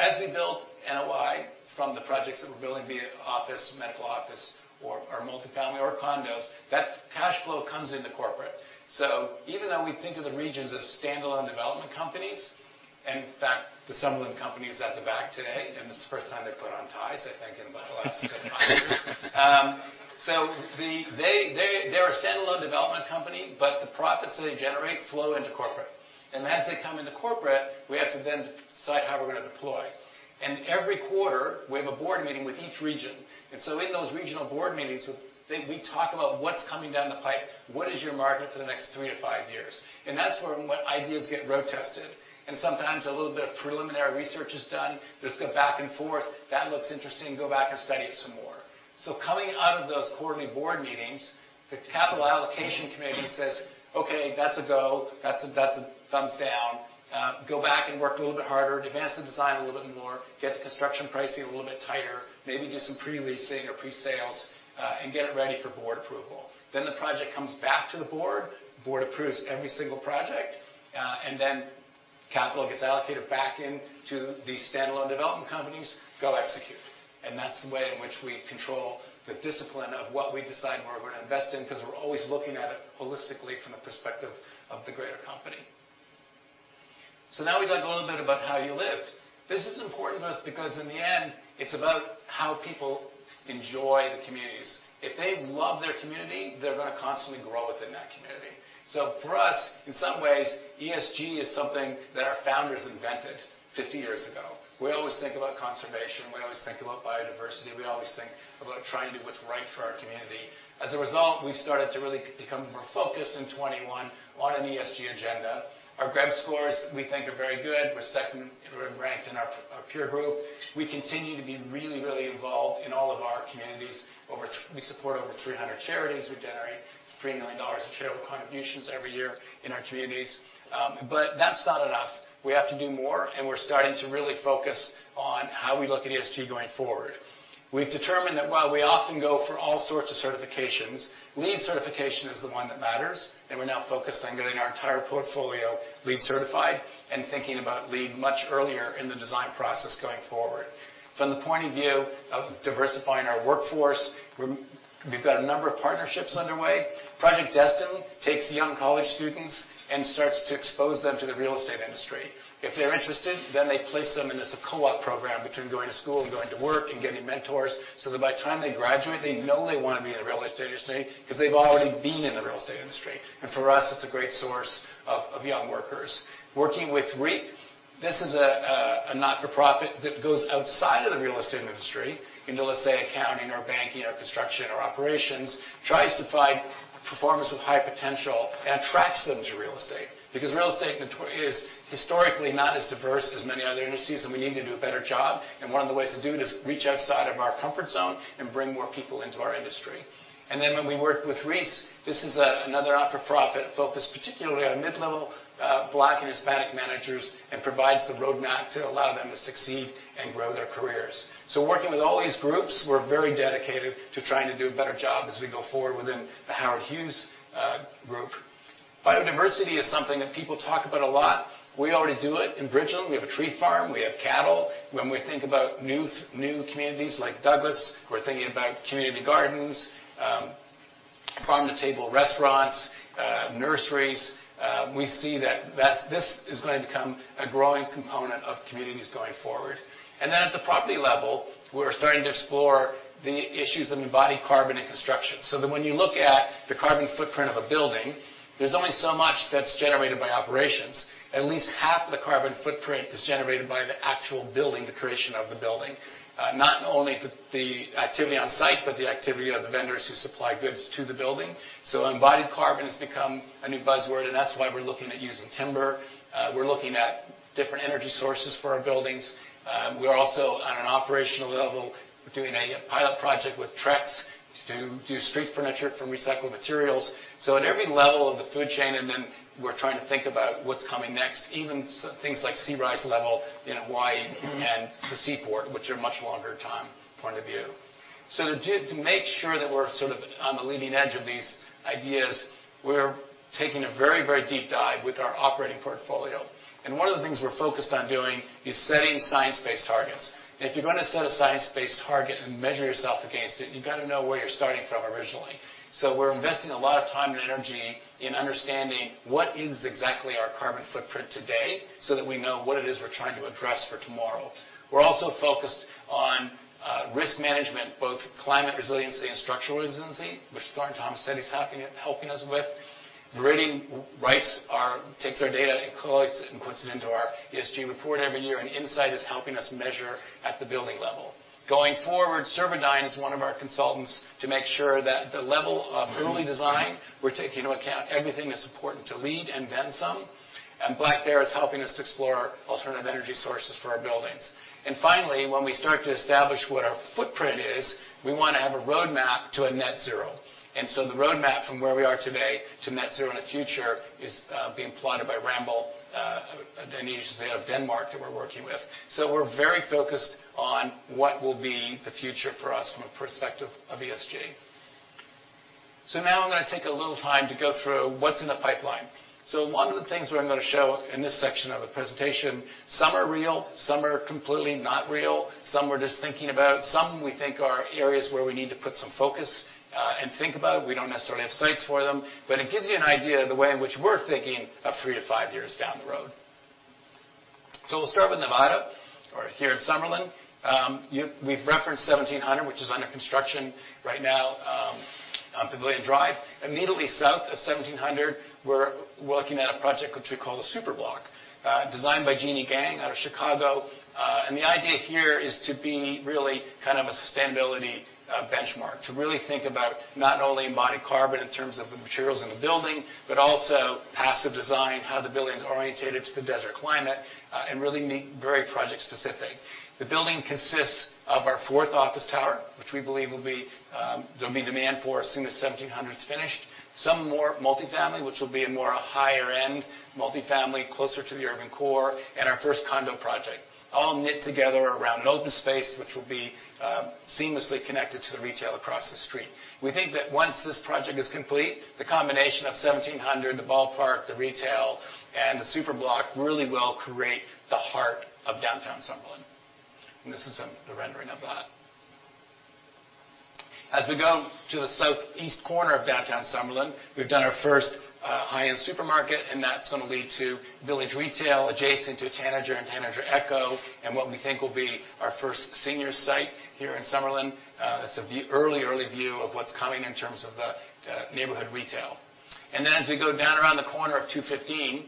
As we build NOI from the projects that we're building, be it office, medical office or multi-family or condos, that cash flow comes into corporate. Even though we think of the regions as standalone development companies, and in fact, there's some of them companies at the back today, and this is the first time they've put on ties, I think, in about the last seven months. They're a standalone development company, but the profits that they generate flow into corporate. As they come into corporate, we have to then decide how we're gonna deploy. Every quarter, we have a board meeting with each region. In those regional board meetings, we talk about what's coming down the pipe. What is your market for the next three-five years? That's where, when ideas get road tested, and sometimes a little bit of preliminary research is done. There's the back and forth, that looks interesting, go back and study it some more. Coming out of those quarterly board meetings, the capital allocation committee says, "Okay, that's a go. That's a thumbs down. Go back and work a little bit harder. Advance the design a little bit more, get the construction pricing a little bit tighter, maybe do some pre-leasing or pre-sales, and get it ready for board approval." The project comes back to the board. The board approves every single project, and then capital gets allocated back into the standalone development companies. Go execute. That's the way in which we control the discipline of what we decide where we're gonna invest in, because we're always looking at it holistically from the perspective of the greater company. Now we talk a little bit about how we live. This is important to us because in the end, it's about how people enjoy the communities. If they love their community, they're gonna constantly grow within that community. For us, in some ways, ESG is something that our founders invented 50 years ago. We always think about conservation. We always think about biodiversity. We always think about trying to do what's right for our community. As a result, we've started to really become more focused in 2021 on an ESG agenda. Our GRESB scores, we think are very good. We're second-ranked in our peer group. We continue to be really, really involved in all of our communities. We support over 300 charities. We generate $3 million of charitable contributions every year in our communities. That's not enough. We have to do more, and we're starting to really focus on how we look at ESG going forward. We've determined that while we often go for all sorts of certifications, LEED Certification is the one that matters, and we're now focused on getting our entire portfolio LEED Certified and thinking about LEED much earlier in the design process going forward. From the point of view of diversifying our workforce, we've got a number of partnerships underway. Project Destiny takes young college students and starts to expose them to the real estate industry. If they're interested, then they place them, and it's a co-op program between going to school and going to work and getting mentors, so that by the time they graduate, they know they wanna be in the real estate industry because they've already been in the real estate industry. For us, it's a great source of young workers. Working with REAP, this is a not-for-profit that goes outside of the real estate industry into, let's say, accounting or banking or construction or operations, tries to find performers with high potential and attracts them to real estate. Because real estate is historically not as diverse as many other industries, and we need to do a better job, and one of the ways to do it is reach outside of our comfort zone and bring more people into our industry. When we work with REEC, this is another not-for-profit focused particularly on mid-level Black and Hispanic managers, and provides the roadmap to allow them to succeed and grow their careers. Working with all these groups, we're very dedicated to trying to do a better job as we go forward within the Howard Hughes group. Biodiversity is something that people talk about a lot. We already do it. In Bridgeland, we have a tree farm. We have cattle. When we think about new communities like Douglas, we're thinking about community gardens, farm-to-table restaurants, nurseries. We see that this is going to become a growing component of communities going forward. At the property level, we're starting to explore the issues of Embodied Carbon in construction, so that when you look at the carbon footprint of a building, there's only so much that's generated by operations. At least half of the carbon footprint is generated by the actual building, the creation of the building. Not only the activity on site, but the activity of the vendors who supply goods to the building. Embodied Carbon has become a new buzzword, and that's why we're looking at using timber. We're looking at different energy sources for our buildings. We are also on an operational level, we're doing a pilot project with Trex to do street furniture from recycled materials. At every level of the food chain, and then we're trying to think about what's coming next, even things like sea level rise in Hawaii and the Seaport, which are much longer time point of view. To make sure that we're sort of on the leading edge of these ideas, we're taking a very, very deep dive with our operating portfolio. One of the things we're focused on doing is setting science-based targets. If you're gonna set a science-based target and measure yourself against it, you've got to know where you're starting from originally. We're investing a lot of time and energy in understanding what exactly is our carbon footprint today, so that we know what it is we're trying to address for tomorrow. We're also focused on risk management, both climate resiliency and structural resiliency, which Thornton Tomasetti said he's happy to help us with. Verdani takes our data and collates it and puts it into our ESG report every year, and Insight is helping us measure at the building level. Going forward, Servidyne is one of our consultants to make sure that, at the level of early design, we take into account everything that's important to LEED and then some. Black Bear is helping us to explore alternative energy sources for our buildings. Finally, when we start to establish what our footprint is, we wanna have a roadmap to a net zero. The roadmap from where we are today to net zero in the future is being plotted by Ramboll, and then, as you just said, Ramboll Denmark that we're working with. We're very focused on what will be the future for us from a perspective of ESG. Now I'm gonna take a little time to go through what's in the pipeline. One of the things where I'm gonna show in this section of the presentation, some are real, some are completely not real, some we're just thinking about, some we think are areas where we need to put some focus, and think about. We don't necessarily have sites for them, but it gives you an idea of the way in which we're thinking of three to five years down the road. We'll start with Nevada or here in Summerlin. We've referenced 1700, which is under construction right now, on Pavilion Drive. Immediately south of 1700, we're working at a project which we call the Superblock, designed by Jeanne Gang out of Chicago. The idea here is to be really kind of a sustainability benchmark, to really think about not only Embodied Carbon in terms of the materials in the building, but also passive design, how the building is oriented to the desert climate, and really very project specific. The building consists of our fourth office tower, which we believe there'll be demand for as soon as 1700 is finished. Some more multi-family, which will be a more higher end multi-family closer to the urban core, and our first condo project, all knit together around an open space, which will be seamlessly connected to the retail across the street. We think that once this project is complete, the combination of 1700, the ballpark, the retail, and the Superblock really will create the heart of Downtown Summerlin. This is the rendering of that. As we go to the southeast corner of Downtown Summerlin, we've done our first high-end supermarket, and that's gonna lead to village retail adjacent to Tanager and Tanager Echo, and what we think will be our first senior site here in Summerlin. That's an early view of what's coming in terms of the neighborhood retail. As we go down around the corner of 215,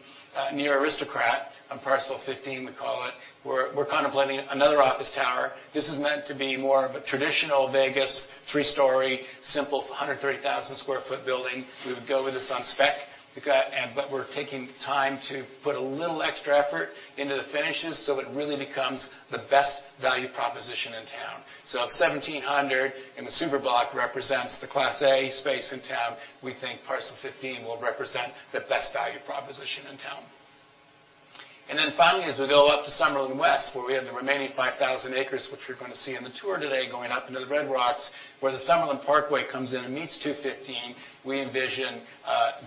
near Aristocrat, on Parcel 15 we call it. We're kind of planning another office tower. This is meant to be more of a traditional Vegas 3-story, simple 130,000 sq ft building. We would go with this on spec. We're taking time to put a little extra effort into the finishes, so it really becomes the best value proposition in town. If 1700 Pavilion and the Superblock represents the Class A space in town, we think Parcel 15 will represent the best value proposition in town. Finally, as we go up to Summerlin West, where we have the remaining 5,000 acres, which you're gonna see in the tour today, going up into the Red Rocks, where the Summerlin Parkway comes in and meets 215, we envision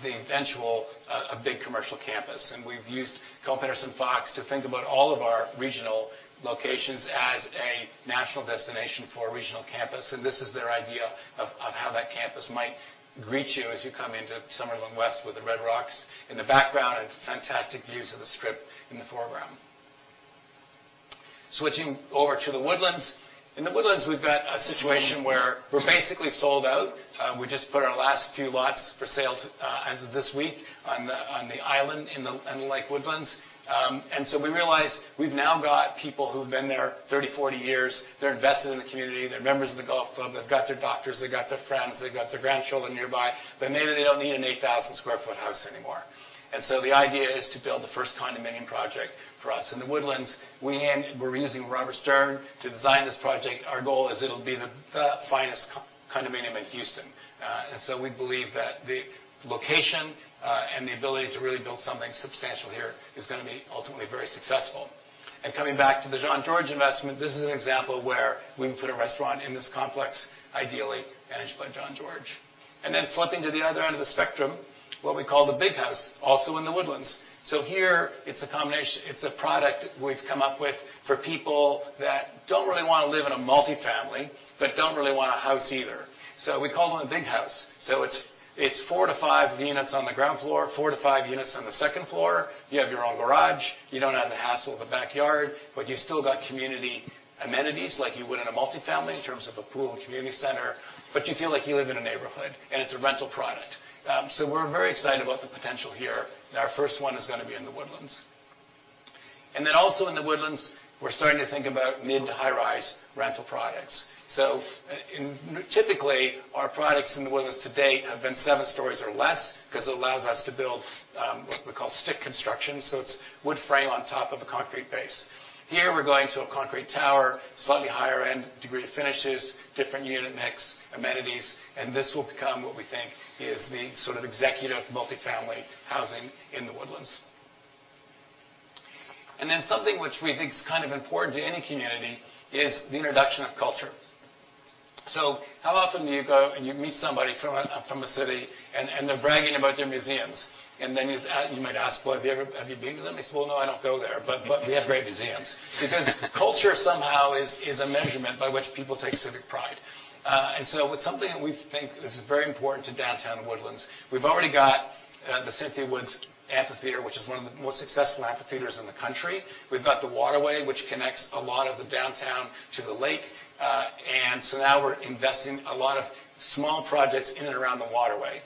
the eventual a big commercial campus. We've used Kohn Pedersen Fox to think about all of our regional locations as a national destination for a regional campus, and this is their idea of how that campus might greet you as you come into Summerlin West with the Red Rocks in the background and fantastic views of the Strip in the foreground. Switching over to The Woodlands. In The Woodlands, we've got a situation where we're basically sold out. We just put our last few lots for sale, as of this week on the island in Lake Woodlands. We realized we've now got people who've been there 30, 40 years. They're invested in the community. They're members of the golf club. They've got their doctors. They got their friends. They got their grandchildren nearby. But maybe they don't need an 8,000 sq ft house anymore. The idea is to build the first condominium project for us. In The Woodlands, we're using Robert A.M. Stern to design this project. Our goal is it'll be the finest condominium in Houston. We believe that the location and the ability to really build something substantial here is gonna be ultimately very successful. Coming back to the Jean-Georges Vongerichten investment, this is an example of where we can put a restaurant in this complex, ideally managed by Jean-Georges Vongerichten. Flipping to the other end of the spectrum, what we call the big house, also in The Woodlands. Here it's a combination. It's a product we've come up with for people that don't really wanna live in a multi-family but don't really want a house either. We call them a big house. It's four to five units on the ground floor, four to five units on the second floor. You have your own garage. You don't have the hassle of a backyard, but you still got community amenities like you would in a multi-family in terms of a pool and community center, but you feel like you live in a neighborhood, and it's a rental product. We're very excited about the potential here, and our first one is gonna be in The Woodlands. Then also in The Woodlands, we're starting to think about mid- to high-rise rental products. Typically, our products in The Woodlands to date have been seven stories or less because it allows us to build what we call stick construction, so it's wood frame on top of a concrete base. Here, we're going to a concrete tower, slightly higher end degree of finishes, different unit mix, amenities, and this will become what we think is the sort of executive multi-family housing in The Woodlands. Something which we think is kind of important to any community is the introduction of culture. How often do you go and you meet somebody from a city and they're bragging about their museums? You might ask, "Well, have you been to them?" They say, "Well, no, I don't go there, but we have great museums." Because culture somehow is a measurement by which people take civic pride. With something that we think is very important to downtown Woodlands, we've already got the Cynthia Woods Mitchell Pavilion, which is one of the most successful amphitheaters in the country. We've got the waterway, which connects a lot of the downtown to the lake, and so now we're investing a lot of small projects in and around the waterway.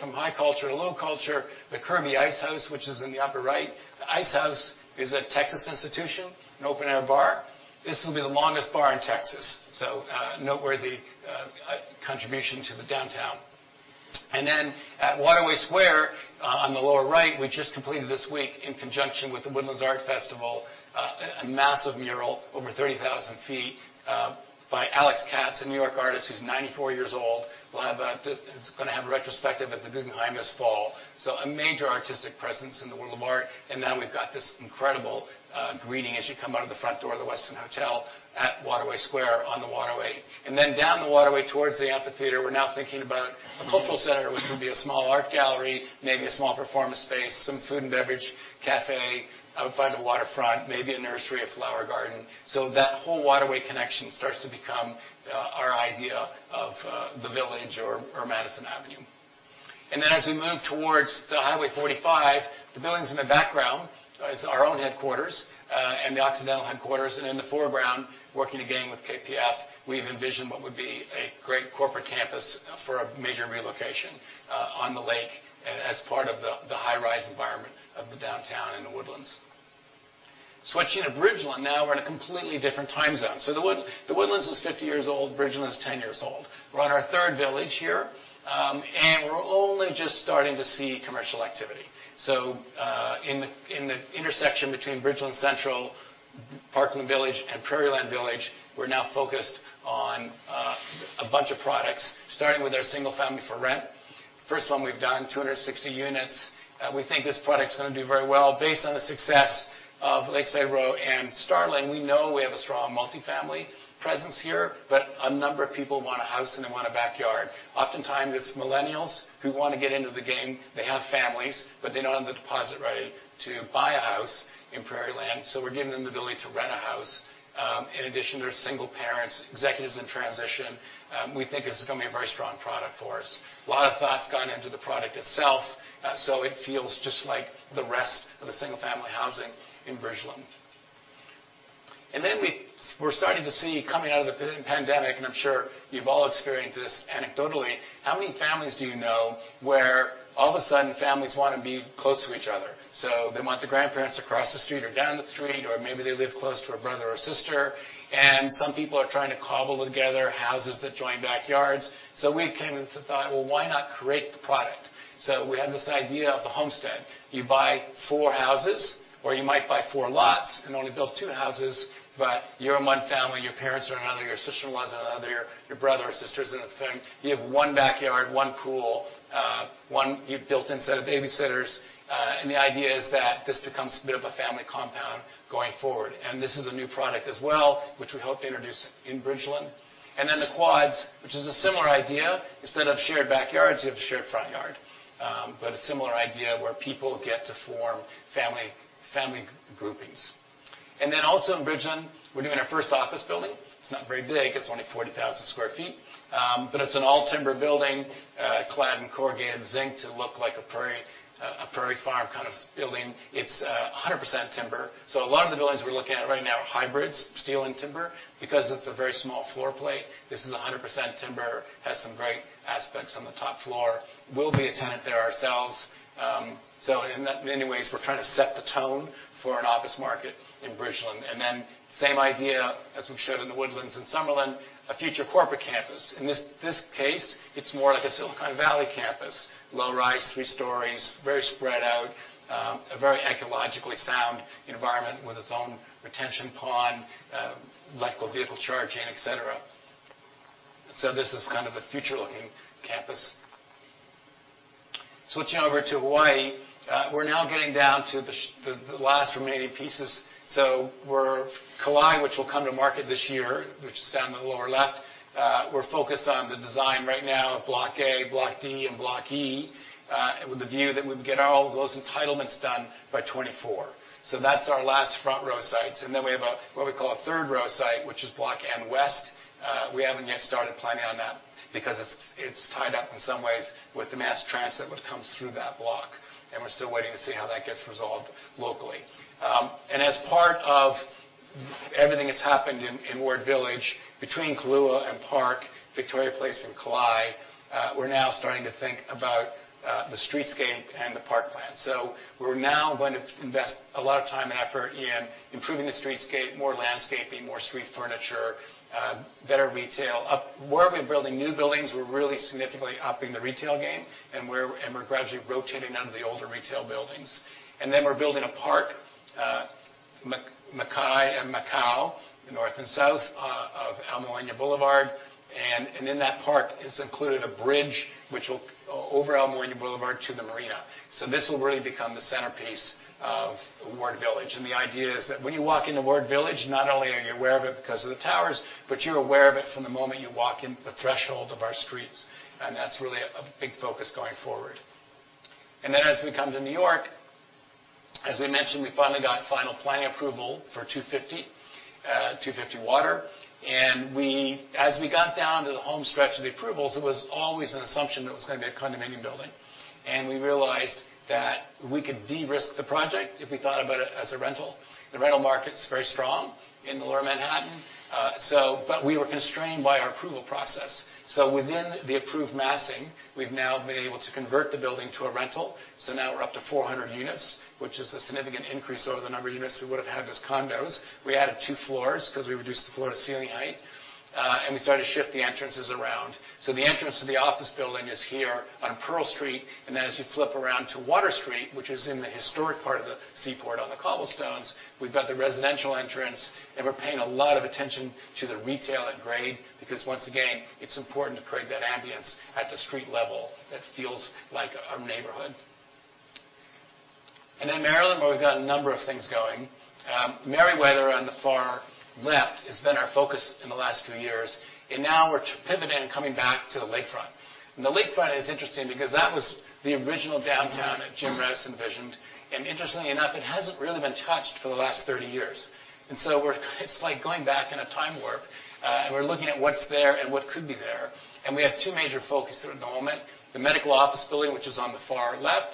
From high culture to low culture, the Kirby Ice House, which is in the upper right. The Ice House is a Texas institution, an open air bar. This will be the longest bar in Texas, noteworthy contribution to the downtown. At Waterway Square, on the lower right, we just completed this week, in conjunction with the Woodlands Art Festival, a massive mural over 30,000 feet, by Alex Katz, a New York artist who's 94 years old. Alex is gonna have a retrospective at the Guggenheim this fall. A major artistic presence in the world of art, and now we've got this incredible greeting as you come out of the front door of the Westin hotel at Waterway Square on the waterway. Then down the waterway towards the amphitheater, we're now thinking about a cultural center, which would be a small art gallery, maybe a small performance space, some food and beverage café out by the waterfront, maybe a nursery or flower garden. That whole waterway connection starts to become our idea of the Village or Madison Avenue. Then as we move towards the Highway 45, the buildings in the background is our own headquarters and the Occidental headquarters. In the foreground, working again with KPF, we've envisioned what would be a great corporate campus for a major relocation on the lake as part of the high-rise environment of the downtown in The Woodlands. Switching to Bridgeland now, we're in a completely different time zone. The Woodlands is 50 years old, Bridgeland is 10 years old. We're on our third village here. We're only just starting to see commercial activity. In the intersection between Bridgeland Central, Parkland Village, and Prairieland Village, we're now focused on a bunch of products, starting with our single family for rent. First one we've done, 260 units. We think this product's gonna do very well based on the success of Lakeside Row and Starling. We know we have a strong multi-family presence here, but a number of people want a house and they want a backyard. Oftentimes, it's millennials who wanna get into the game. They have families, but they don't have the deposit ready to buy a house in Prairieland, so we're giving them the ability to rent a house. In addition, there are single parents, executives in transition. We think this is gonna be a very strong product for us. A lot of thought's gone into the product itself, so it feels just like the rest of the single-family housing in Bridgeland. We're starting to see coming out of the pandemic, and I'm sure you've all experienced this anecdotally, how many families do you know where all of a sudden families wanna be close to each other? They want the grandparents across the street or down the street, or maybe they live close to a brother or sister. Some people are trying to cobble together houses that join backyards. We came to the thought, "Well, why not create the product?" We had this idea of the homestead. You buy four houses or you might buy four lots and only build two houses. But you're in one family, your parents are in another, your sister-in-law is in another, your brother or sister is in another. You have one backyard, one pool, one. You've built-in set of babysitters. The idea is that this becomes a bit of a family compound going forward. This is a new product as well, which we hope to introduce in Bridgeland. Then the quads, which is a similar idea. Instead of shared backyards, you have a shared front yard. But a similar idea where people get to form family groupings. Also in Bridgeland, we're doing our first office building. It's not very big. It's only 40,000 sq ft. But it's an all timber building, clad in corrugated zinc to look like a prairie farm kind of building. It's 100% timber. A lot of the buildings we're looking at right now are hybrids, steel and timber. Because it's a very small floor plate, this is 100% timber. It has some great aspects on the top floor. We'll be a tenant there ourselves. In many ways, we're trying to set the tone for an office market in Bridgeland. Same idea as we've showed in The Woodlands and Summerlin, a future corporate campus. In this case, it's more like a Silicon Valley campus, low-rise, three stories, very spread out. A very ecologically sound environment with its own retention pond, electric vehicle charging, et cetera. This is kind of a future-looking campus. Switching over to Hawaii, we're now getting down to the last remaining pieces. Kalae, which will come to market this year, which is down in the lower left, we're focused on the design right now of Block A, Block D, and Block E. With the view that we can get all those entitlements done by 2024. That's our last front row sites. We have what we call a third row site, which is Block M West. We haven't yet started planning on that because it's tied up in some ways with the mass transit, which comes through that block, and we're still waiting to see how that gets resolved locally. As part of everything that's happened in Ward Village between Kōʻula and Park, Victoria Place and Kalae, we're now starting to think about the streetscape and the park plan. We're now going to invest a lot of time and effort in improving the streetscape, more landscaping, more street furniture, better retail. Where we're building new buildings, we're really significantly upping the retail game and we're gradually rotating out of the older retail buildings. We're building a park, mauka and makai, north and south of Ala Moana Boulevard. In that park is included a bridge which will go over Ala Moana Boulevard to the marina. This will really become the centerpiece of Ward Village. The idea is that when you walk into Ward Village, not only are you aware of it because of the towers, but you're aware of it from the moment you walk in the threshold of our streets, and that's really a big focus going forward. Then as we come to New York, as we mentioned, we finally got final planning approval for 250 Water. As we got down to the home stretch of the approvals, it was always an assumption that it was gonna be a condominium building. We realized that we could de-risk the project if we thought about it as a rental. The rental market's very strong in Lower Manhattan. We were constrained by our approval process. Within the approved massing, we've now been able to convert the building to a rental. Now we're up to 400 units, which is a significant increase over the number of units we would've had as condos. We added two floors 'cause we reduced the floor to ceiling height, and we started to shift the entrances around. The entrance to the office building is here on Pearl Street. Then as you flip around to Water Street, which is in the historic part of the Seaport on the cobblestones, we've got the residential entrance, and we're paying a lot of attention to the retail at grade, because once again, it's important to create that ambiance at the street level that feels like a neighborhood. Then Maryland, where we've got a number of things going. Merriweather on the far left has been our focus in the last few years, and now we're pivoting and coming back to the lakefront. The lakefront is interesting because that was the original downtown that Jim Rouse envisioned. Interestingly enough, it hasn't really been touched for the last 30 years. It's like going back in a time warp. We're looking at what's there and what could be there. We have two major focuses at the moment, the medical office building, which is on the far left,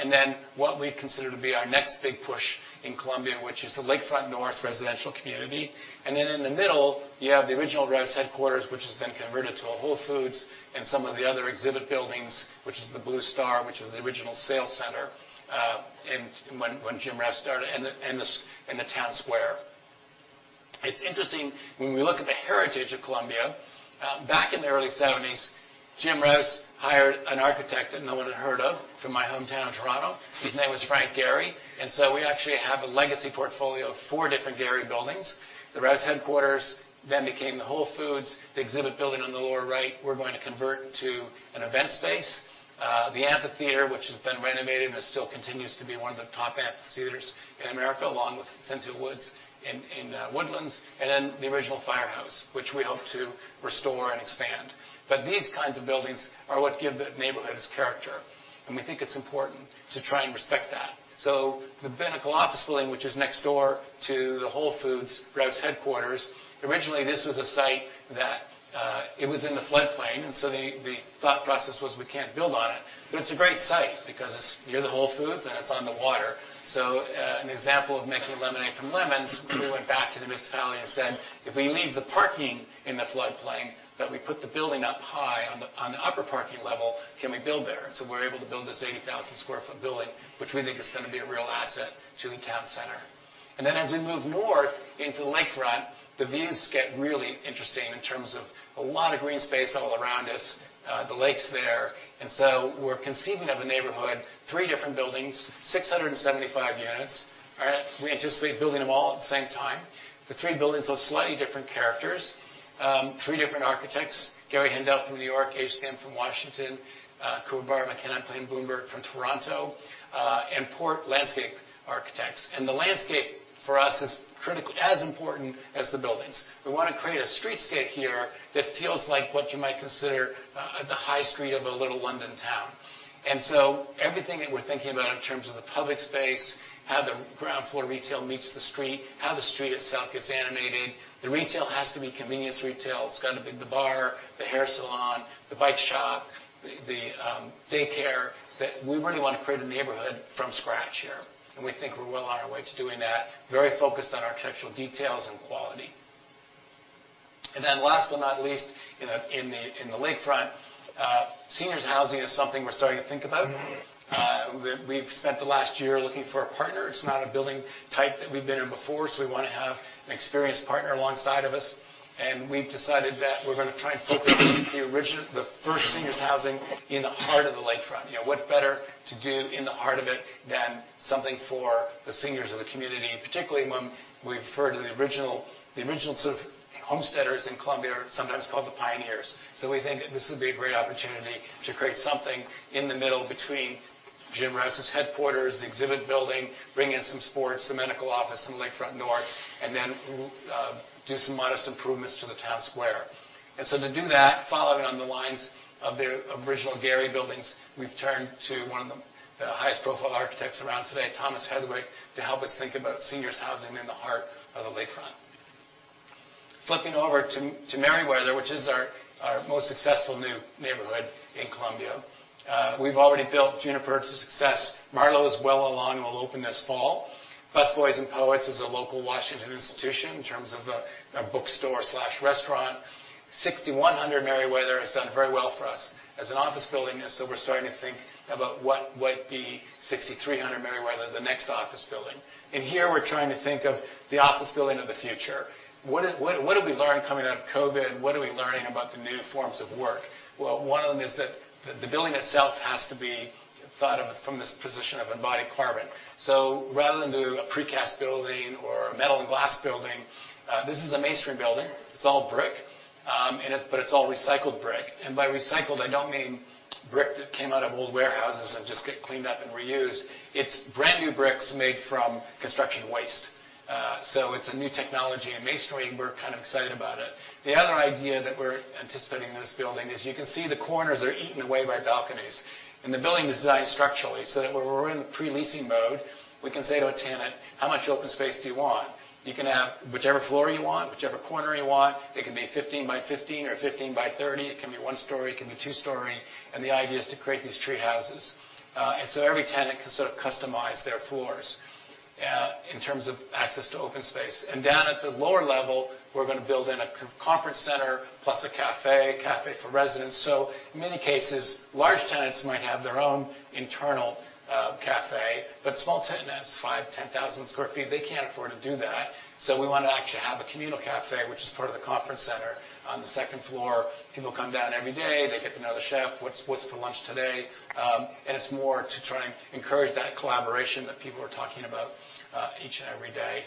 and then what we consider to be our next big push in Columbia, which is the Lakefront North residential community. In the middle, you have the original Rouse headquarters, which has been converted to a Whole Foods, and some of the other exhibit buildings, which is the Blue Star, which was the original sales center, in when Jim Rouse started, and the town square. It's interesting when we look at the heritage of Columbia. Back in the early 1970s, Jim Rouse hired an architect that no one had heard of from my hometown of Toronto. His name was Frank Gehry. We actually have a legacy portfolio of four different Gehry buildings. The Rouse headquarters then became the Whole Foods. The exhibit building on the lower right we're going to convert to an event space. The amphitheater, which has been renovated and still continues to be one of the top amphitheaters in America, along with Cynthia Woods Mitchell Pavilion in The Woodlands, and then the original firehouse, which we hope to restore and expand. These kinds of buildings are what give the neighborhood its character, and we think it's important to try and respect that. The medical office building, which is next door to the Whole Foods Rouse headquarters, originally this was a site that it was in the floodplain, and so the thought process was we can't build on it. It's a great site because it's near the Whole Foods and it's on the water. An example of making lemonade from lemons, we went back to the municipality and said, "If we leave the parking in the floodplain, but we put the building up high on the upper parking level, can we build there?" We're able to build this 80,000 sq ft building, which we think is gonna be a real asset to the town center. As we move north into the lakefront, the views get really interesting in terms of a lot of green space all around us, the lake's there. We're conceiving of a neighborhood, three different buildings, 675 units. We anticipate building them all at the same time. The three buildings have slightly different characters, three different architects, Gary Handel from New York, HOK from Washington, KPMB Architects from Toronto, and PORT Landscape Architects. The landscape for us is critical, as important as the buildings. We wanna create a streetscape here that feels like what you might consider the high street of a little London town. Everything that we're thinking about in terms of the public space, how the ground floor retail meets the street, how the street itself gets animated. The retail has to be convenience retail. It's gotta be the bar, the hair salon, the bike shop, the daycare. We really wanna create a neighborhood from scratch here, and we think we're well on our way to doing that, very focused on architectural details and quality. Then last but not least, in the lakefront, seniors housing is something we're starting to think about. We've spent the last year looking for a partner. It's not a building type that we've been in before, so we wanna have an experienced partner alongside of us, and we've decided that we're gonna try and focus the first seniors housing in the heart of the lakefront. You know, what better to do in the heart of it than something for the seniors of the community, particularly when we refer to the original sort of homesteaders in Columbia, sometimes called the pioneers. We think this would be a great opportunity to create something in the middle between Jim Rouse's headquarters, the exhibit building, bring in some sports, the medical office in Lakefront North, and then do some modest improvements to the town square. To do that, following on the lines of the original Gehry buildings, we've turned to one of the highest profile architects around today, Thomas Heatherwick, to help us think about seniors housing in the heart of the lakefront. Flipping over to Merriweather, which is our most successful new neighborhood in Columbia. We've already built Juniper. It's a success. Marlowe is well along and will open this fall. Busboys and Poets is a local Washington institution in terms of a bookstore/restaurant. 6100 Merriweather has done very well for us as an office building, and so we're starting to think about what would be 6300 Merriweather, the next office building. Here we're trying to think of the office building of the future. What have we learned coming out of COVID? What are we learning about the new forms of work? Well, one of them is that the building itself has to be thought of from this position of Embodied Carbon. Rather than do a precast building or a metal and glass building, this is a masonry building. It's all brick, but it's all recycled brick. By recycled, I don't mean brick that came out of old warehouses and just get cleaned up and reused. It's brand-new bricks made from construction waste. It's a new technology. In Main Street, we're kind of excited about it. The other idea that we're anticipating in this building is you can see the corners are eaten away by balconies, and the building is designed structurally, so that when we're in pre-leasing mode, we can say to a tenant, "How much open space do you want? You can have whichever floor you want, whichever corner you want. It can be 15 by 15 or 15 by 30. It can be one story, it can be two story," and the idea is to create these tree houses. Every tenant can sort of customize their floors in terms of access to open space. Down at the lower level, we're gonna build in a conference center plus a cafe for residents. In many cases, large tenants might have their own internal cafe, but small tenants, 5, 10,000 sq ft, they can't afford to do that. We wanna actually have a communal cafe, which is part of the conference center. On the second floor, people come down every day, they get to know the chef, what's for lunch today. It's more to try and encourage that collaboration that people are talking about each and every day.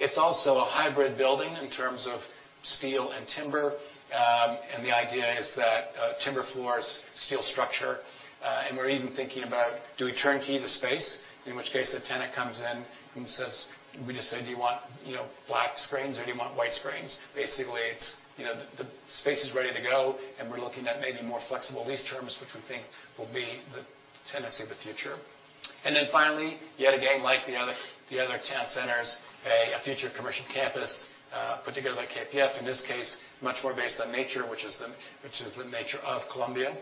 It's also a hybrid building in terms of steel and timber. The idea is that timber floors, steel structure, and we're even thinking about do we turnkey the space, in which case the tenant comes in and says we just say, "Do you want, you know, black screens or do you want white screens?" Basically, it's, you know, the space is ready to go, and we're looking at maybe more flexible lease terms, which we think will be the tenancy of the future. Finally, yet again, like the other town centers, a future commercial campus put together by KPF. In this case, much more based on nature, which is the nature of Columbia.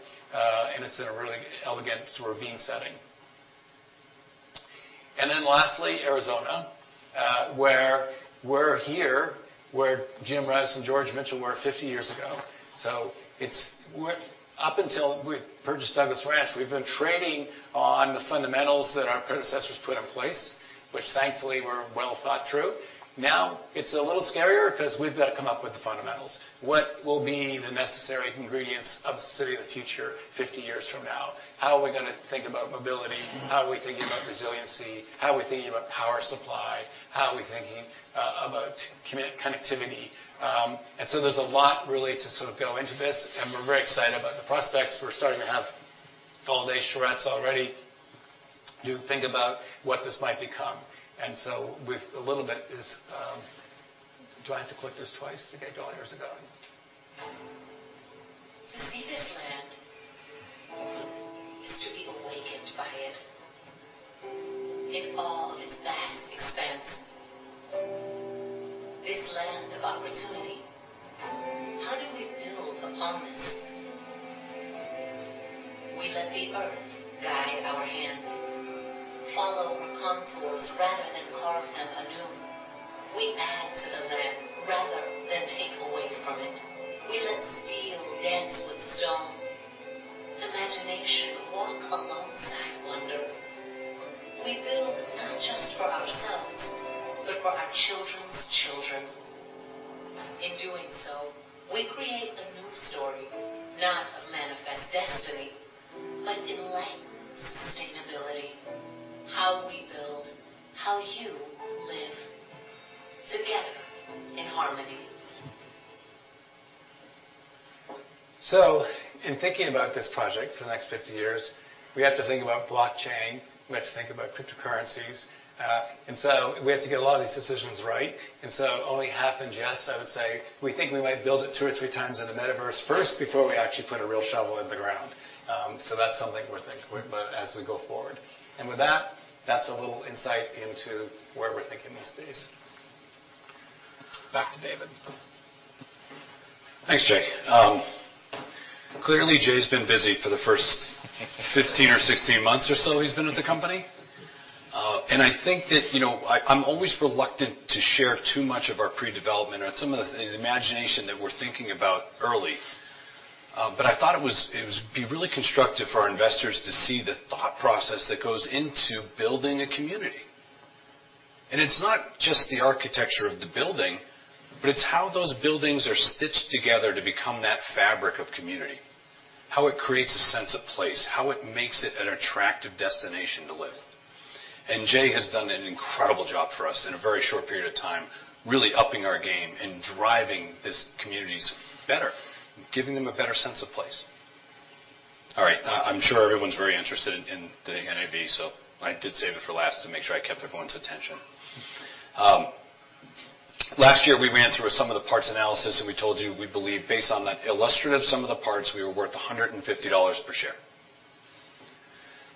It's in a really elegant sort of ravine setting. Lastly, Arizona, where we're here, where Jim Rouse and George Mitchell were 50 years ago. Up until we purchased Douglas Ranch, we've been training on the fundamentals that our predecessors put in place, which thankfully were well thought through. Now, it's a little scarier 'cause we've got to come up with the fundamentals. What will be the necessary ingredients of the city of the future 50 years from now? How are we gonna think about mobility? How are we thinking about resiliency? How are we thinking about power supply? How are we thinking about connectivity? There's a lot really to sort of go into this, and we're very excited about the prospects. We're starting to have all-day charrettes already to think about what this might become. With a little bit is—do I have to click this twice to get going or is it going? To see this land is to be awakened by it. In all of its vast expanse. This land of opportunity. How do we build upon this? We let the earth guide our hand. Follow her contours rather than carve them anew. We add to the land rather than take away from it. We let steel dance with stone. Imagination walk alongside wonder. We build not just for ourselves, but for our children's children. In doing so, we create a new story, not of manifest destiny, but enlightened sustainability. How we build, how you live together in harmony. In thinking about this project for the next 50 years, we have to think about blockchain, we have to think about cryptocurrencies. We have to get a lot of these decisions right. Only half in jest, I would say, we think we might build it two or 3x in the metaverse first before we actually put a real shovel in the ground. That's something we're thinking about as we go forward. With that's a little insight into where we're thinking these days. Back to David. Thanks, Jay. Clearly, Jay's been busy for the first 15 or 16 months or so he's been at the company. I think that, you know, I'm always reluctant to share too much of our pre-development or some of the imagination that we're thinking about early. I thought it would be really constructive for our investors to see the thought process that goes into building a community. It's not just the architecture of the building, but it's how those buildings are stitched together to become that fabric of community, how it creates a sense of place, how it makes it an attractive destination to live. Jay has done an incredible job for us in a very short period of time, really upping our game and driving these communities better, giving them a better sense of place. All right, I'm sure everyone's very interested in the NAV, so I did save it for last to make sure I kept everyone's attention. Last year, we ran through some of the parts analysis, and we told you we believe, based on that Illustrative Sum-of-the-Parts, we were worth $150 per share.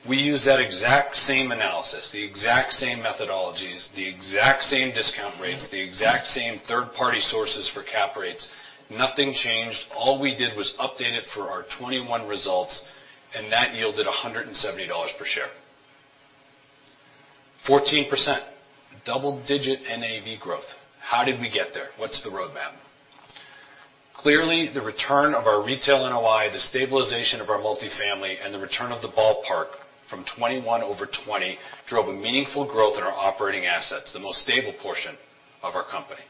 We used that exact same analysis, the exact same methodologies, the exact same discount rates, the exact same third-party sources for cap rates. Nothing changed. All we did was update it for our 2021 results, and that yielded $170 per share. 14%. Double-digit NAV growth. How did we get there? What's the roadmap? Clearly, the return of our retail NOI, the stabilization of our multi-family, and the return of the ballpark from 2021 over 2020 drove a meaningful growth in our operating assets, the most stable portion of our company.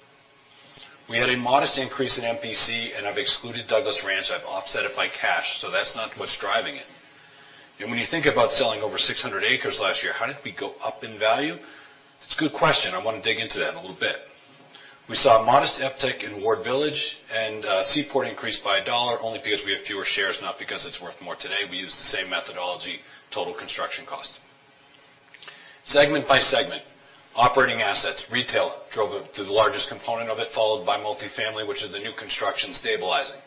We had a modest increase in MPC, and I've excluded Douglas Ranch. I've offset it by cash, so that's not what's driving it. When you think about selling over 600 acres last year, how did we go up in value? It's a good question. I wanna dig into that a little bit. We saw modest uptick in Ward Village and Seaport increased by $1 only because we have fewer shares, not because it's worth more today. We use the same methodology, total construction cost. Segment by segment, operating assets. Retail drove it to the largest component of it, followed by multi-family, which is the new construction stabilizing.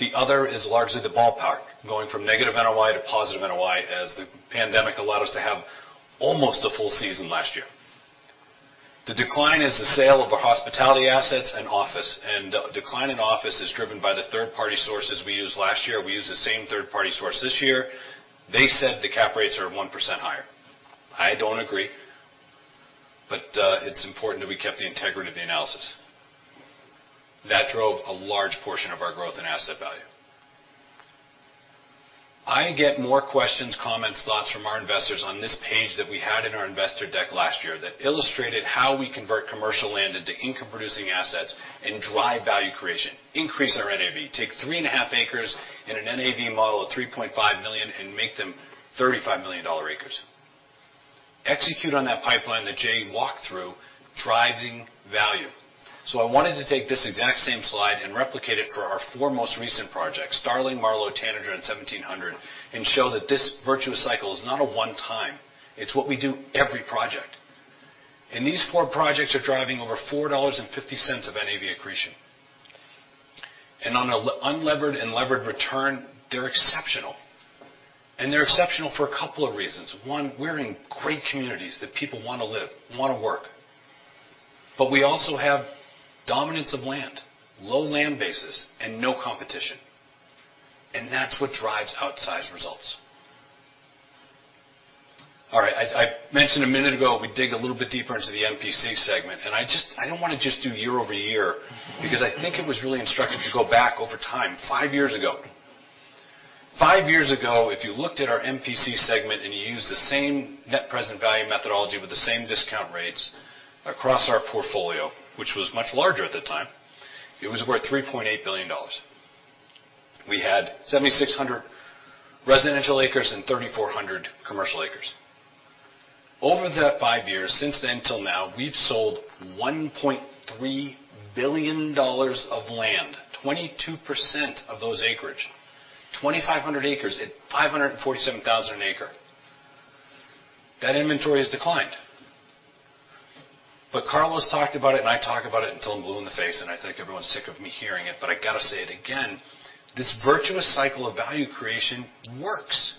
The other is largely the ballpark, going from negative NOI to positive NOI as the pandemic allowed us to have almost a full season last year. The decline is the sale of our hospitality assets and office. Decline in office is driven by the third-party sources we used last year. We used the same third party source this year. They said the cap rates are 1% higher. I don't agree, but it's important that we kept the integrity of the analysis. That drove a large portion of our growth and asset value. I get more questions, comments, thoughts from our investors on this page that we had in our investor deck last year that illustrated how we convert commercial land into income-producing assets and drive value creation, increase our NAV. Take 3.5 acres in an NAV model of $3.5 million and make them $35 million dollar acres. Execute on that pipeline that Jay walked through, driving value. I wanted to take this exact same slide and replicate it for our four most recent projects, Starling, Marlowe, Tanager, and Seventeen Hundred, and show that this virtuous cycle is not a one-time, it's what we do every project. These four projects are driving over $4.50 of NAV accretion. On a unlevered and levered return, they're exceptional. They're exceptional for a couple of reasons. One, we're in great communities that people wanna live, wanna work. We also have dominance of land, low land bases, and no competition. That's what drives outsized results. All right, I mentioned a minute ago, we dig a little bit deeper into the MPC segment, and I just don't wanna just do year-over-year because I think it was really instructive to go back over time, five years ago. Five years ago, if you looked at our MPC segment and you used the same net present value methodology with the same discount rates across our portfolio, which was much larger at the time, it was worth $3.8 billion. We had 7,600 residential acres and 3,400 commercial acres. Over that five years, since then till now, we've sold $1.3 billion of land, 22% of those acreage, 2,500 acres at $547,000 an acre. That inventory has declined. Carlos talked about it, and I talk about it until I'm blue in the face, and I think everyone's sick of me hearing it, but I gotta say it again, this virtuous cycle of value creation works.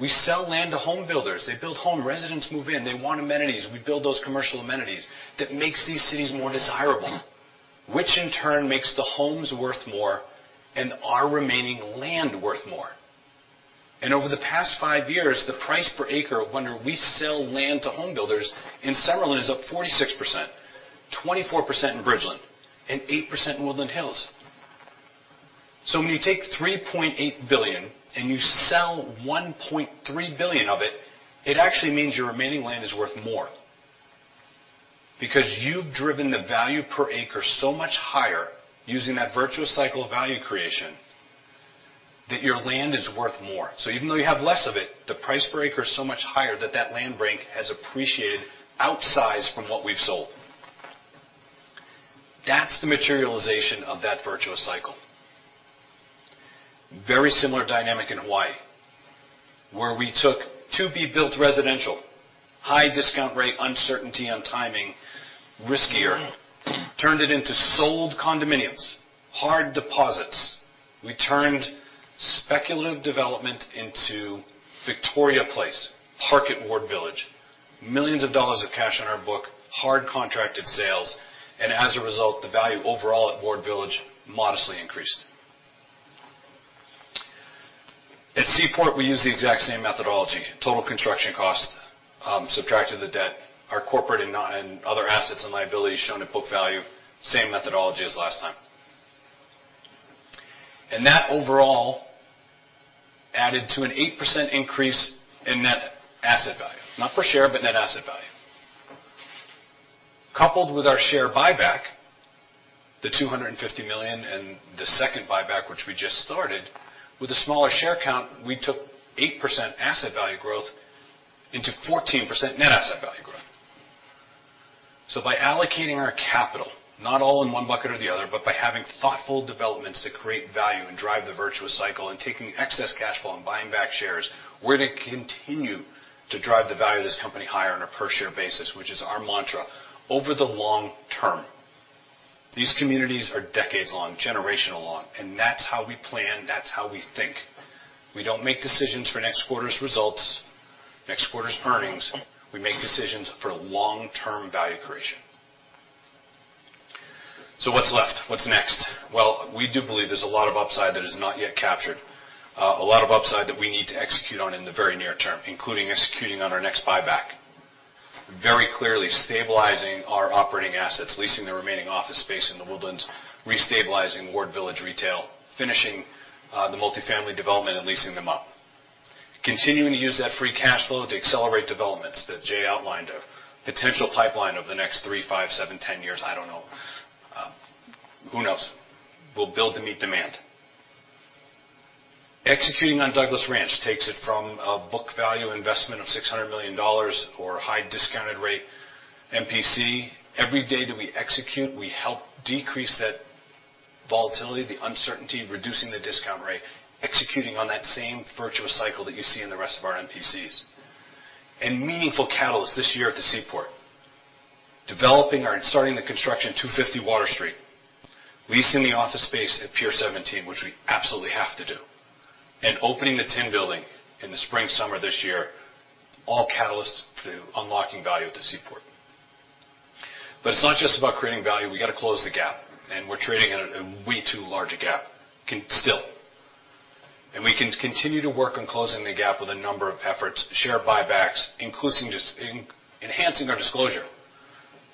We sell land to home builders. They build home. Residents move in. They want amenities. We build those commercial amenities that makes these cities more desirable, which in turn makes the homes worth more and our remaining land worth more. Over the past five years, the price per acre when we sell land to home builders in Summerlin is up 46%, 24% in Bridgeland, and 8% in The Woodlands. When you take $3.8 billion and you sell $1.3 billion of it actually means your remaining land is worth more because you've driven the value per acre so much higher using that virtuous cycle of value creation that your land is worth more. Even though you have less of it, the price per acre is so much higher that that land bank has appreciated outsized from what we've sold. That's the materialization of that virtuous cycle. Very similar dynamic in Hawaii, where we took to-be-built residential, high discount rate, uncertainty on timing, riskier, turned it into sold condominiums, hard deposits. We turned speculative development into Victoria Place, The Park Ward Village. Millions of dollars of cash on our book, hard contracted sales, and as a result, the value overall at Ward Village modestly increased. At Seaport, we use the exact same methodology, total construction cost, subtract the debt, our corporate and other assets and liabilities shown at book value, same methodology as last time. That overall added to an 8% increase in NE Value. Not per share, but Net Asset Value. Coupled with our share buyback, the $250 million and the second buyback, which we just started, with a smaller share count, we took 8% asset value growth into 14% Net Asset Value growth. By allocating our capital, not all in one bucket or the other, but by having thoughtful developments that create value and drive the virtuous cycle and taking excess cash flow and buying back shares, we're to continue to drive the value of this company higher on a per-share basis, which is our mantra over the long term. These communities are decades long, generational long, and that's how we plan, that's how we think. We don't make decisions for next quarter's results, next quarter's earnings. We make decisions for long-term value creation. What's left? What's next? Well, we do believe there's a lot of upside that is not yet captured, a lot of upside that we need to execute on in the very near term, including executing on our next buyback. Very clearly stabilizing our operating assets, leasing the remaining office space in The Woodlands, restabilizing Ward Village retail, finishing the multi-family development and leasing them up. Continuing to use that free cash flow to accelerate developments that Jay outlined, a potential pipeline over the next three, five, seven, 10 years. Who knows? We'll build to meet demand. Executing on Douglas Ranch takes it from a book value investment of $600 million or high discount rate MPC. Every day that we execute, we help decrease that volatility, the uncertainty, reducing the discount rate, executing on that same virtuous cycle that you see in the rest of our MPCs. Meaningful catalyst this year at the Seaport, developing or starting the construction 250 Water Street, leasing the office space at Pier 17, which we absolutely have to do, and opening the Tin Building in the spring, summer this year, all catalysts to unlocking value at the Seaport. It's not just about creating value, we gotta close the gap, and we're trading at a way too large a gap constantly. We can continue to work on closing the gap with a number of efforts, share buybacks, including just enhancing our disclosure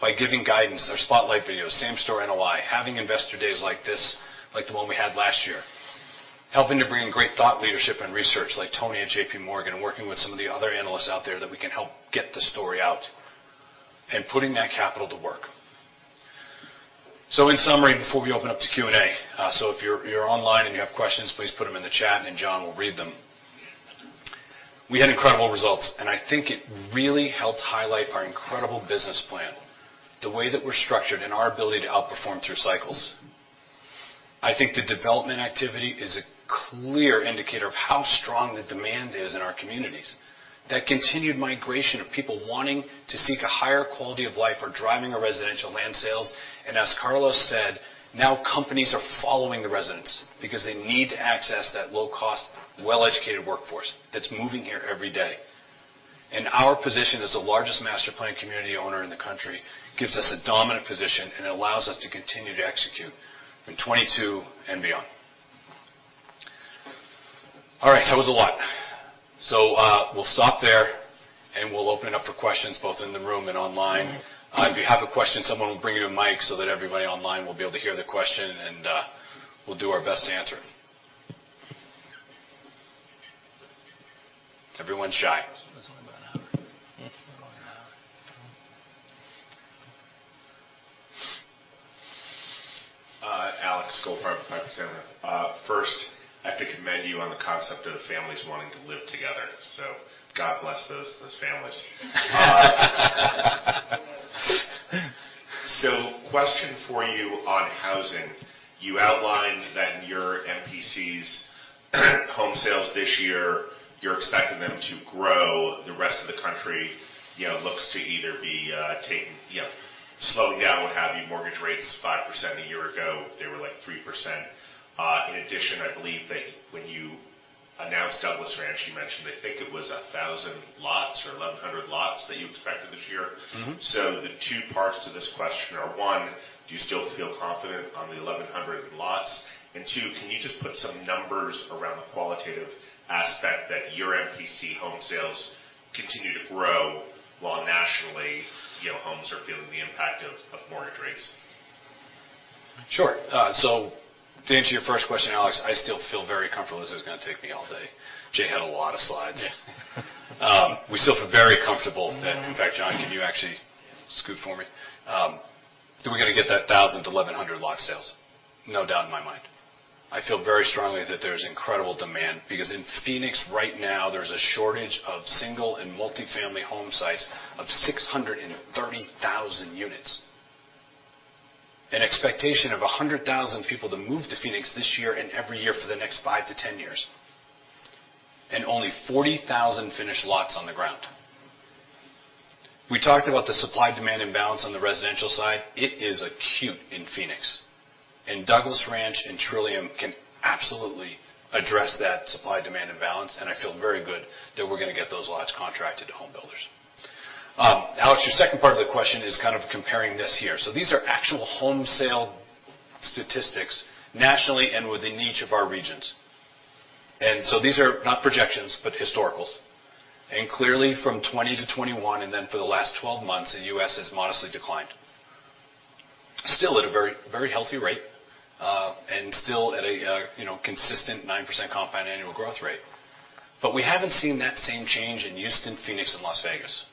by giving guidance, our spotlight videos, same-store NOI, having investor days like this, like the one we had last year. Helping to bring in great thought leadership and research like Tony at J.P. Morgan, working with some of the other analysts out there that we can help get the story out, and putting that capital to work. In summary, before we open up to Q&A, if you're online and you have questions, please put them in the chat, and John will read them. We had incredible results, and I think it really helped highlight our incredible business plan, the way that we're structured, and our ability to outperform through cycles. I think the development activity is a clear indicator of how strong the demand is in our communities. That continued migration of people wanting to seek a higher quality of life are driving our residential land sales. As Carlos said, now companies are following the residents because they need to access that low-cost, well-educated workforce that's moving here every day. Our position as the largest master-planned community owner in the country gives us a dominant position and allows us to continue to execute in 2022 and beyond. All right, that was a lot. We'll stop there, and we'll open it up for questions both in the room and online. If you have a question, someone will bring you a mic so that everybody online will be able to hear the question and, we'll do our best to answer. Everyone's shy. Alexander Goldfarb with Piper Sandler. First, I have to commend you on the concept of families wanting to live together, so God bless those families. Question for you on housing. You outlined that in your MPCs home sales this year, you're expecting them to grow. The rest of the country, you know, looks to either be taking, you know, slowing down, what have you. Mortgage rates, 5%. A year ago, they were, like, 3%. In addition, I believe that when you announced Douglas Ranch, you mentioned, I think it was 1,000 lots or 1,100 lots that you expected this year. The two parts to this question are, one, do you still feel confident on the 1,100 lots? And two, can you just put some numbers around the qualitative aspect that your MPC home sales continue to grow while nationally, you know, homes are feeling the impact of mortgage rates? Sure. To answer your first question, Alex, I still feel very comfortable. This is gonna take me all day. Jay had a lot of slides. Yeah. We still feel very comfortable that. In fact, John, can you actually scoot for me? That we're gonna get that 1,000 to 1,100 lot sales, no doubt in my mind. I feel very strongly that there's incredible demand because in Phoenix right now, there's a shortage of single and multi-family home sites of 630,000 units. An expectation of 100,000 people to move to Phoenix this year and every year for the next five to 10 years, and only 40,000 finished lots on the ground. We talked about the supply-demand imbalance on the residential side. It is acute in Phoenix. Douglas Ranch and Trillium can absolutely address that supply-demand imbalance, and I feel very good that we're gonna get those lots contracted to home builders. Alex, your second part of the question is kind of comparing this here. These are actual home sale statistics nationally and within each of our regions. These are not projections, but historicals. Clearly, from 2020 to 2021, and then for the last 12 months, the U.S. has modestly declined. Still at a very, very healthy rate, and still at a, you know, consistent 9% compound annual growth rate. We haven't seen that same change in Houston, Phoenix, and Las Vegas.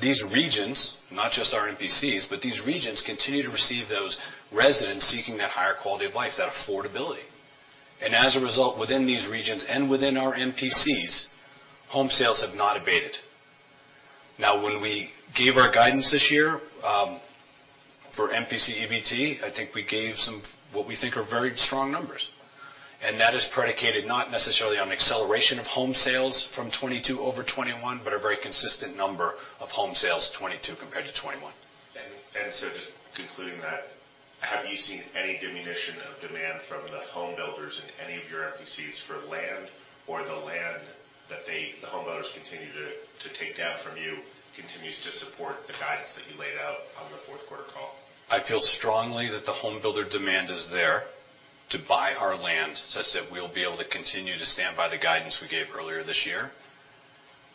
These regions, not just our MPCs, but these regions continue to receive those residents seeking that higher quality of life, that affordability. As a result, within these regions and within our MPCs, home sales have not abated. Now, when we gave our guidance this year, for MPC EBT, I think we gave what we think are very strong numbers. That is predicated not necessarily on acceleration of home sales from 2022 over 2021, but a very consistent number of home sales 2022 compared to 2021. Just concluding that, have you seen any diminution of demand from the home builders in any of your MPCs for land or the land that they, the home builders, continue to take down from you continues to support the guidance that you laid out on the fourth quarter call? I feel strongly that the home builder demand is there to buy our land such that we'll be able to continue to stand by the guidance we gave earlier this year.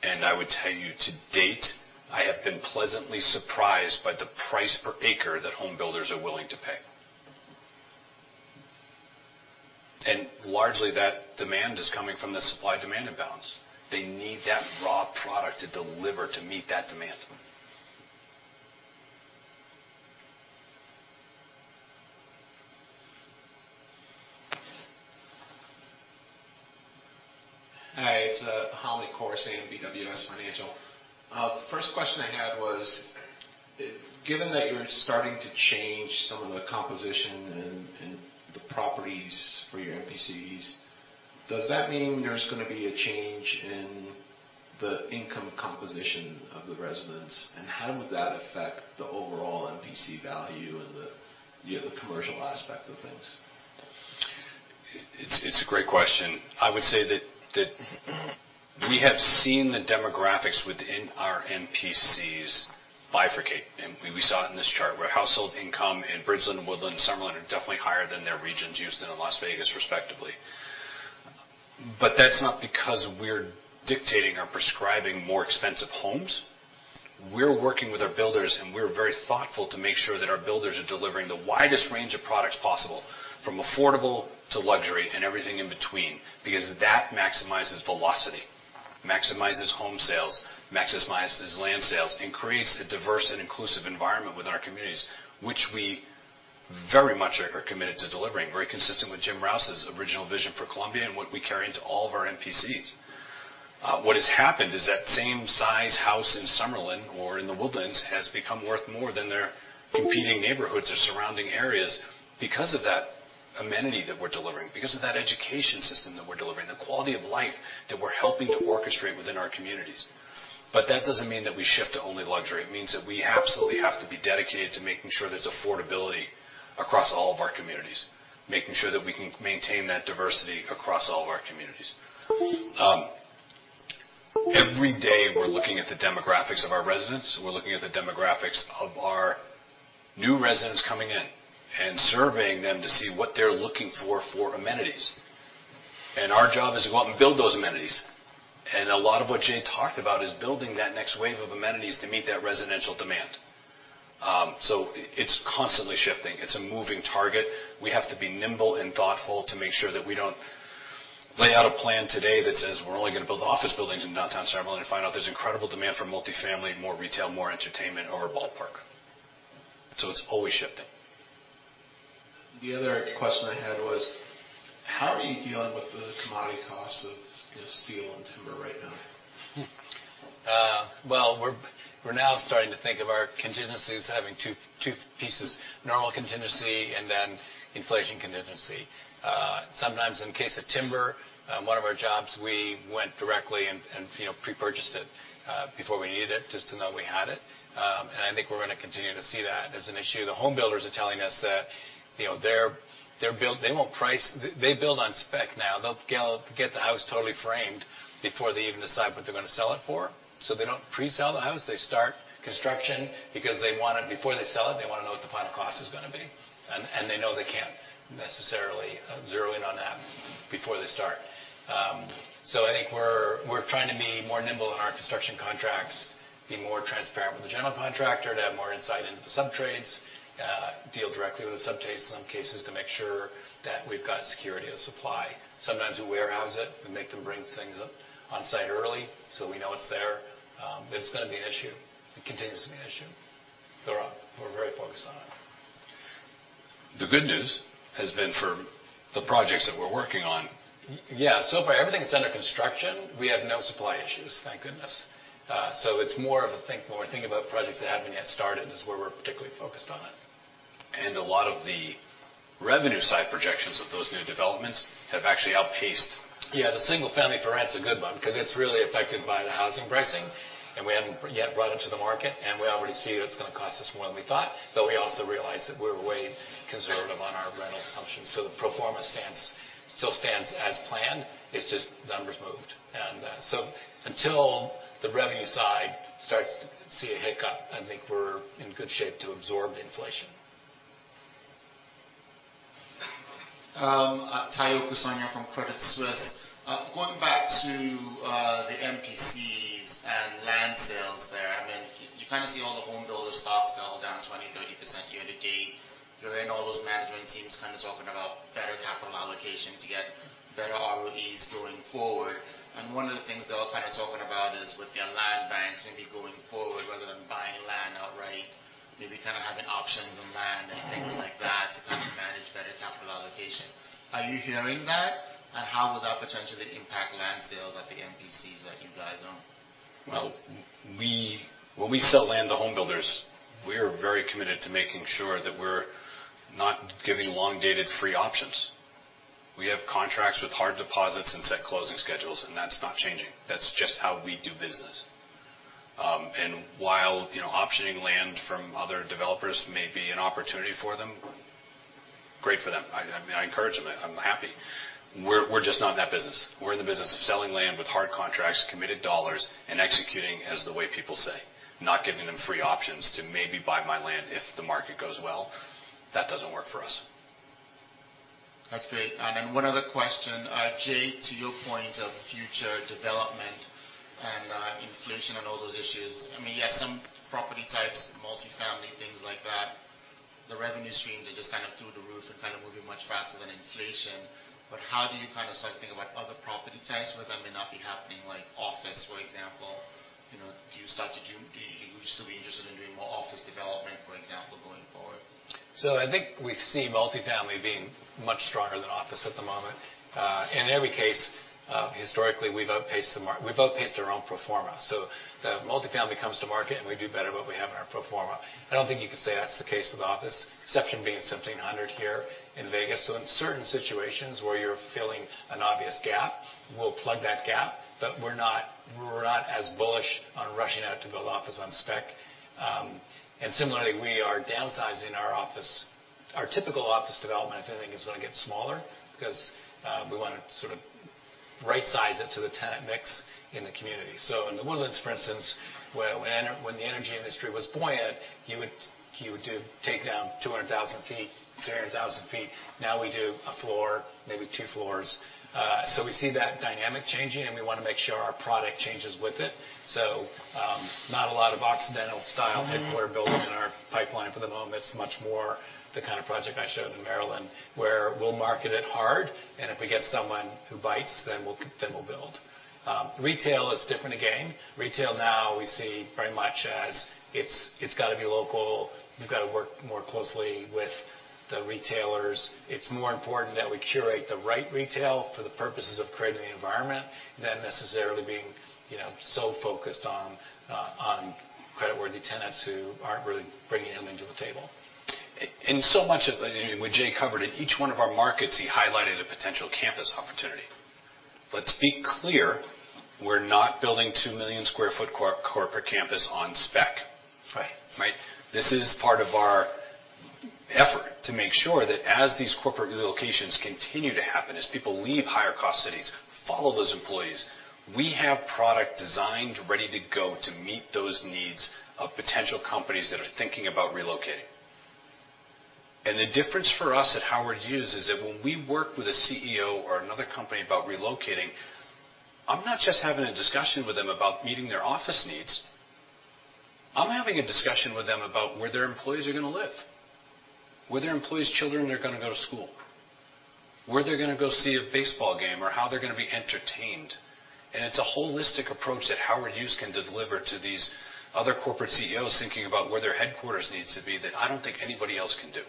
I would tell you, to date, I have been pleasantly surprised by the price per acre that home builders are willing to pay. Largely, that demand is coming from the supply-demand imbalance. They need that raw product to deliver to meet that demand. Hi, it's Hamed Khorsand, BWS Financial. First question I had was, given that you're starting to change some of the composition and the properties for your MPCs, does that mean there's gonna be a change in the income composition of the residents? How would that affect the overall MPC value and the, you know, the commercial aspect of things? It's a great question. I would say that we have seen the demographics within our MPCs bifurcate. We saw it in this chart, where household income in Bridgeland and Woodlands and Summerlin are definitely higher than their regions, Houston and Las Vegas respectively. That's not because we're dictating or prescribing more expensive homes. We're working with our builders, and we're very thoughtful to make sure that our builders are delivering the widest range of products possible, from affordable to luxury and everything in between, because that maximizes velocity, maximizes home sales, maximizes land sales, and creates a diverse and inclusive environment with our communities, which we very much are committed to delivering, very consistent with James Rouse's original vision for Columbia and what we carry into all of our MPCs. What has happened is that same size house in Summerlin or in The Woodlands has become worth more than their competing neighborhoods or surrounding areas because of that amenity that we're delivering, because of that education system that we're delivering, the quality of life that we're helping to orchestrate within our communities. But that doesn't mean that we shift to only luxury. It means that we absolutely have to be dedicated to making sure there's affordability across all of our communities, making sure that we can maintain that diversity across all of our communities. Every day, we're looking at the demographics of our residents. We're looking at the demographics of our new residents coming in and surveying them to see what they're looking for for amenities. Our job is to go out and build those amenities. A lot of what Jay talked about is building that next wave of amenities to meet that residential demand. It's constantly shifting. It's a moving target. We have to be nimble and thoughtful to make sure that we don't lay out a plan today that says we're only gonna build office buildings in Downtown Summerlin and find out there's incredible demand for multi-family, more retail, more entertainment or a ballpark. It's always shifting. The other question I had was, how are you dealing with the commodity costs of, you know, steel and timber right now? Well, we're now starting to think of our contingencies as having two pieces: normal contingency and then inflation contingency. Sometimes in case of timber, one of our jobs, we went directly and you know, pre-purchased it before we needed it just to know we had it. I think we're gonna continue to see that as an issue. The homebuilders are telling us that, you know, they won't price. They build on spec now. They'll get the house totally framed before they even decide what they're gonna sell it for. They don't pre-sell the house. They start construction because before they sell it, they wanna know what the final cost is gonna be. They know they can't necessarily zero in on that before they start. I think we're trying to be more nimble in our construction contracts, be more transparent with the general contractor to have more insight into the subtrades, deal directly with the subtrades in some cases to make sure that we've got security of supply. Sometimes we warehouse it and make them bring things up on-site early so we know it's there. It's gonna be an issue. It continues to be an issue. We're very focused on it. The good news has been for the projects that we're working on. Yeah. So far, everything that's under construction, we have no supply issues, thank goodness. It's more of a thing about projects that haven't yet started is where we're particularly focused on it. A lot of the revenue side projections of those new developments have actually outpaced. Yeah, the single-family for rent's a good one 'cause it's really affected by the housing pricing, and we haven't yet brought it to the market, and we already see that it's gonna cost us more than we thought. We also realize that we're way conservative on our rental assumptions. The pro-forma stands, still stands as planned. It's just numbers moved. Until the revenue side starts to see a hiccup, I think we're in good shape to absorb the inflation. Omotayo Okusanya from Credit Suisse. Going back to the MPCs and land sales there, I mean, you kind of see all the homebuilder stocks all down 20%-30% year-to-date. All those management teams kind of talking about better capital allocation to get better ROEs going forward. One of the things they're all kind of talking about is with their land banks maybe going forward, rather than buying land outright, maybe kind of having options on land and things like that to kind of manage better capital allocation. Are you hearing that? How would that potentially impact land sales at the MPCs that you guys own? Well, when we sell land to homebuilders, we are very committed to making sure that we're not giving long-dated free options. We have contracts with hard deposits and set closing schedules, and that's not changing. That's just how we do business. While, you know, optioning land from other developers may be an opportunity for them, great for them. I mean, I encourage them. I'm happy. We're just not in that business. We're in the business of selling land with hard contracts, committed dollars, and executing as the way people say, not giving them free options to maybe buy my land if the market goes well. That doesn't work for us. That's great. One other question. Jay, to your point of future development inflation and all those issues. I mean, yes, some property types, multi-family, things like that, the revenue streams are just kind of through the roof and kind of moving much faster than inflation. But how do you kind of start to think about other property types where that may not be happening, like office, for example. You know, would you still be interested in doing more office development, for example, going forward? I think we see multi-family being much stronger than office at the moment. In every case, historically, we've outpaced our own pro-forma. The multi-family comes to market, and we do better what we have in our pro-forma. I don't think you could say that's the case with office, exception being 1700 here in Vegas. In certain situations where you're filling an obvious gap, we'll plug that gap, but we're not as bullish on rushing out to build office on spec. Similarly, we are downsizing our office. Our typical office development, I think, is gonna get smaller 'cause we wanna sort of right size it to the tenant mix in the community. In The Woodlands, for instance, where the energy industry was buoyant, you would do take down 200,000 feet, 300,000 feet. Now we do a floor, maybe two floors. We see that dynamic changing, and we wanna make sure our product changes with it. Not a lot of Occidental style big floor building in our pipeline for the moment. It's much more the kind of project I showed in Maryland, where we'll market it hard, and if we get someone who bites, then we'll build. Retail is different again. Retail now we see very much as it's gotta be local. We've gotta work more closely with the retailers. It's more important that we curate the right retail for the purposes of creating the environment than necessarily being, you know, so focused on credit-worthy tenants who aren't really bringing anything to the table. Much of what Jay covered, in each one of our markets, he highlighted a potential campus opportunity. Let's be clear, we're not building a 2 million sq ft corporate campus on spec. Right. Right? This is part of our effort to make sure that as these corporate relocations continue to happen, as people leave higher cost cities, we follow those employees. We have product designed, ready to go to meet those needs of potential companies that are thinking about relocating. The difference for us at Howard Hughes is that when we work with a CEO or another company about relocating, I'm not just having a discussion with them about meeting their office needs. I'm having a discussion with them about where their employees are gonna live, where their employees' children are gonna go to school, where they're gonna go see a baseball game or how they're gonna be entertained. It's a holistic approach that Howard Hughes can deliver to these other corporate CEOs thinking about where their headquarters needs to be that I don't think anybody else can do.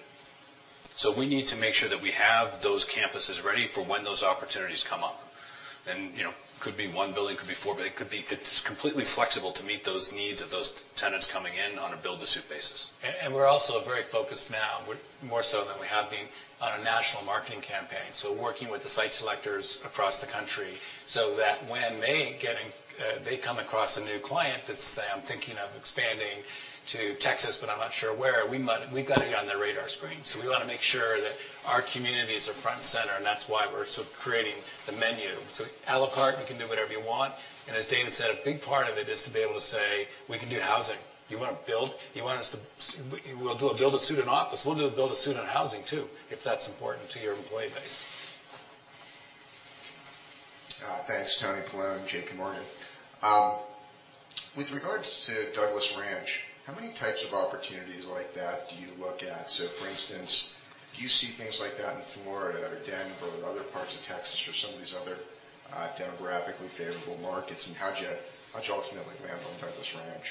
We need to make sure that we have those campuses ready for when those opportunities come up. You know, could be one building, could be four, but it could be. It's completely flexible to meet those needs of those tenants coming in on a build-to-suit basis. We're also very focused now, more so than we have been, on a national marketing campaign. We're working with the site selectors across the country so that when they come across a new client that's saying, "I'm thinking of expanding to Texas, but I'm not sure where," we've gotta be on their radar screen. We wanna make sure that our communities are front and center, and that's why we're sort of creating the menu. À la carte, you can do whatever you want. As David said, a big part of it is to be able to say, "We can do housing. You wanna build? You want us to We'll do a build-to-suit office. We'll do a build-to-suit housing, too, if that's important to your employee base. Thanks, Anthony Paolone, J.P. Morgan. With regards to Douglas Ranch, how many types of opportunities like that do you look at? For instance, do you see things like that in Florida or Denver or other parts of Texas or some of these other, demographically favorable markets? How'd you ultimately land on Douglas Ranch?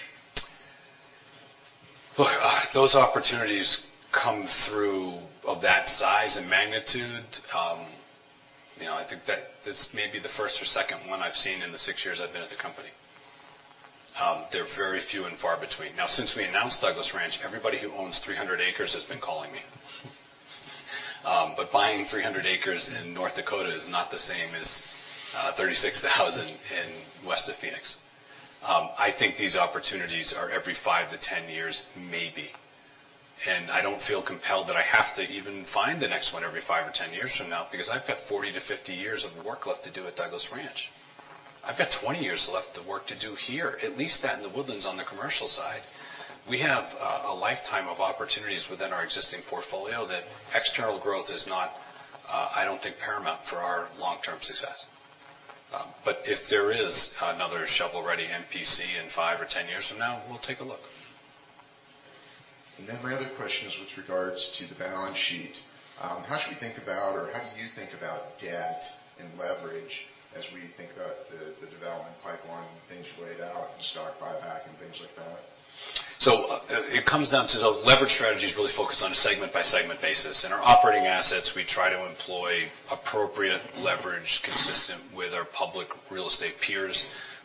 Look, those opportunities come through, of that size and magnitude, you know, I think that this may be the first or second one I've seen in the six years I've been at the company. They're very few and far between. Now, since we announced Douglas Ranch, everybody who owns 300 acres has been calling me. But buying 300 acres in North Dakota is not the same as 36,000 in west of Phoenix. I think these opportunities are every five to 10 years, maybe. I don't feel compelled that I have to even find the next one every five or 10 years from now because I've got 40 to 50 years of work left to do at Douglas Ranch. I've got 20 years left of work to do here, at least that in The Woodlands on the commercial side. We have a lifetime of opportunities within our existing portfolio that external growth is not, I don't think, paramount for our long-term success. If there is another shovel-ready MPC in five or 10 years from now, we'll take a look. My other question is with regards to the balance sheet. How should we think about or how do you think about debt and leverage as we think about the development pipeline, things you laid out, and stock buyback and things like that? It comes down to the leverage strategy is really focused on a segment-by-segment basis. In our operating assets, we try to employ appropriate leverage consistent with our public real estate peers,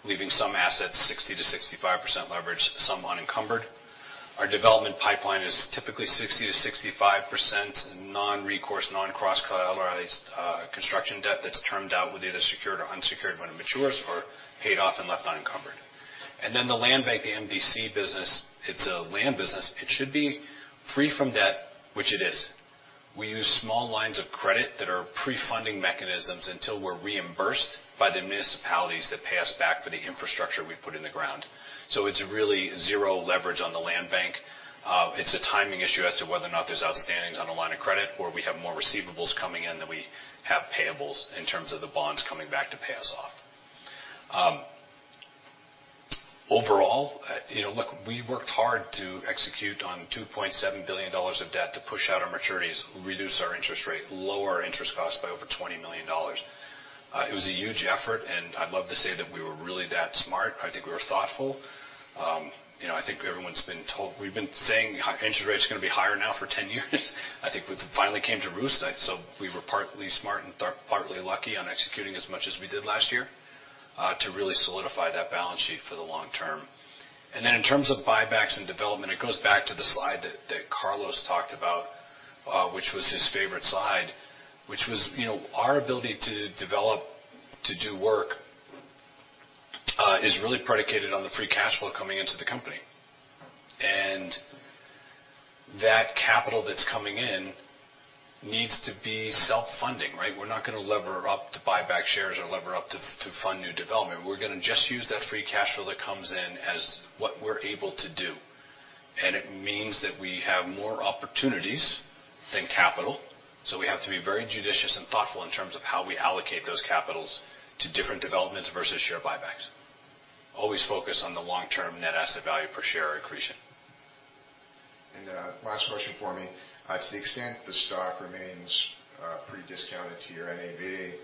leaving some assets 60% to 65% leverage, some unencumbered. Our development pipeline is typically 60% to 65% non-recourse, non-cross-collateralized construction debt that's termed out with either secured or unsecured when it matures or paid off and left unencumbered. The land bank, the MPC business, it's a land business. It should be free from debt, which it is. We use small lines of credit that are pre-funding mechanisms until we're reimbursed by the municipalities that pay us back for the infrastructure in the ground. It's really zero leverage on the land bank. It's a timing issue as to whether or not there's outstandings on a line of credit, or we have more receivables coming in than we have payables in terms of the bonds coming back to pay us off. Overall, you know, look, we worked hard to execute on $2.7 billion of debt to push out our maturities, reduce our interest rate, lower our interest costs by over $20 million. It was a huge effort, and I'd love to say that we were really that smart. I think we were thoughtful. You know, I think everyone's been told. We've been saying interest rate's gonna be higher now for 10 years. I think it finally came to roost. We were partly smart and partly lucky on executing as much as we did last year to really solidify that balance sheet for the long term. In terms of buybacks and development, it goes back to the slide that Carlos talked about, which was his favorite slide, you know, our ability to develop, to do work is really predicated on the free cash flow coming into the company. That capital that's coming in needs to be self-funding, right? We're not gonna lever up to buy back shares or lever up to fund new development. We're gonna just use that free cash flow that comes in as what we're able to do. It means that we have more opportunities than capital, so we have to be very judicious and thoughtful in terms of how we allocate those capitals to different developments versus share buybacks. Always focus on the long-term Net Asset Value per share accretion. Last question for me. To the extent the stock remains pretty discounted to your NAV,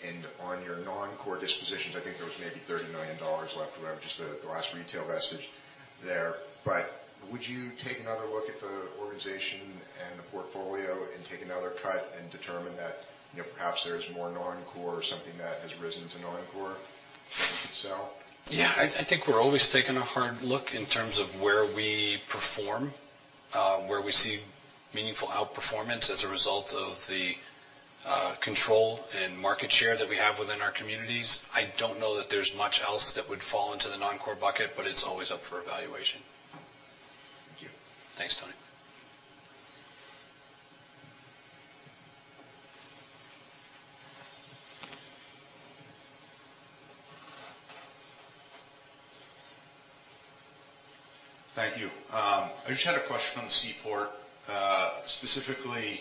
and on your non-core dispositions, I think there was maybe $30 million left, whatever, just the last retail vestige there. Would you take another look at the organization and the portfolio and take another cut and determine that, you know, perhaps there is more non-core or something that has risen to non-core that you could sell? Yeah. I think we're always taking a hard look in terms of where we perform, where we see meaningful outperformance as a result of the control and market share that we have within our communities. I don't know that there's much else that would fall into the non-core bucket, but it's always up for evaluation. Thank you. Thanks, Tony. Thank you. I just had a question on Seaport. Specifically,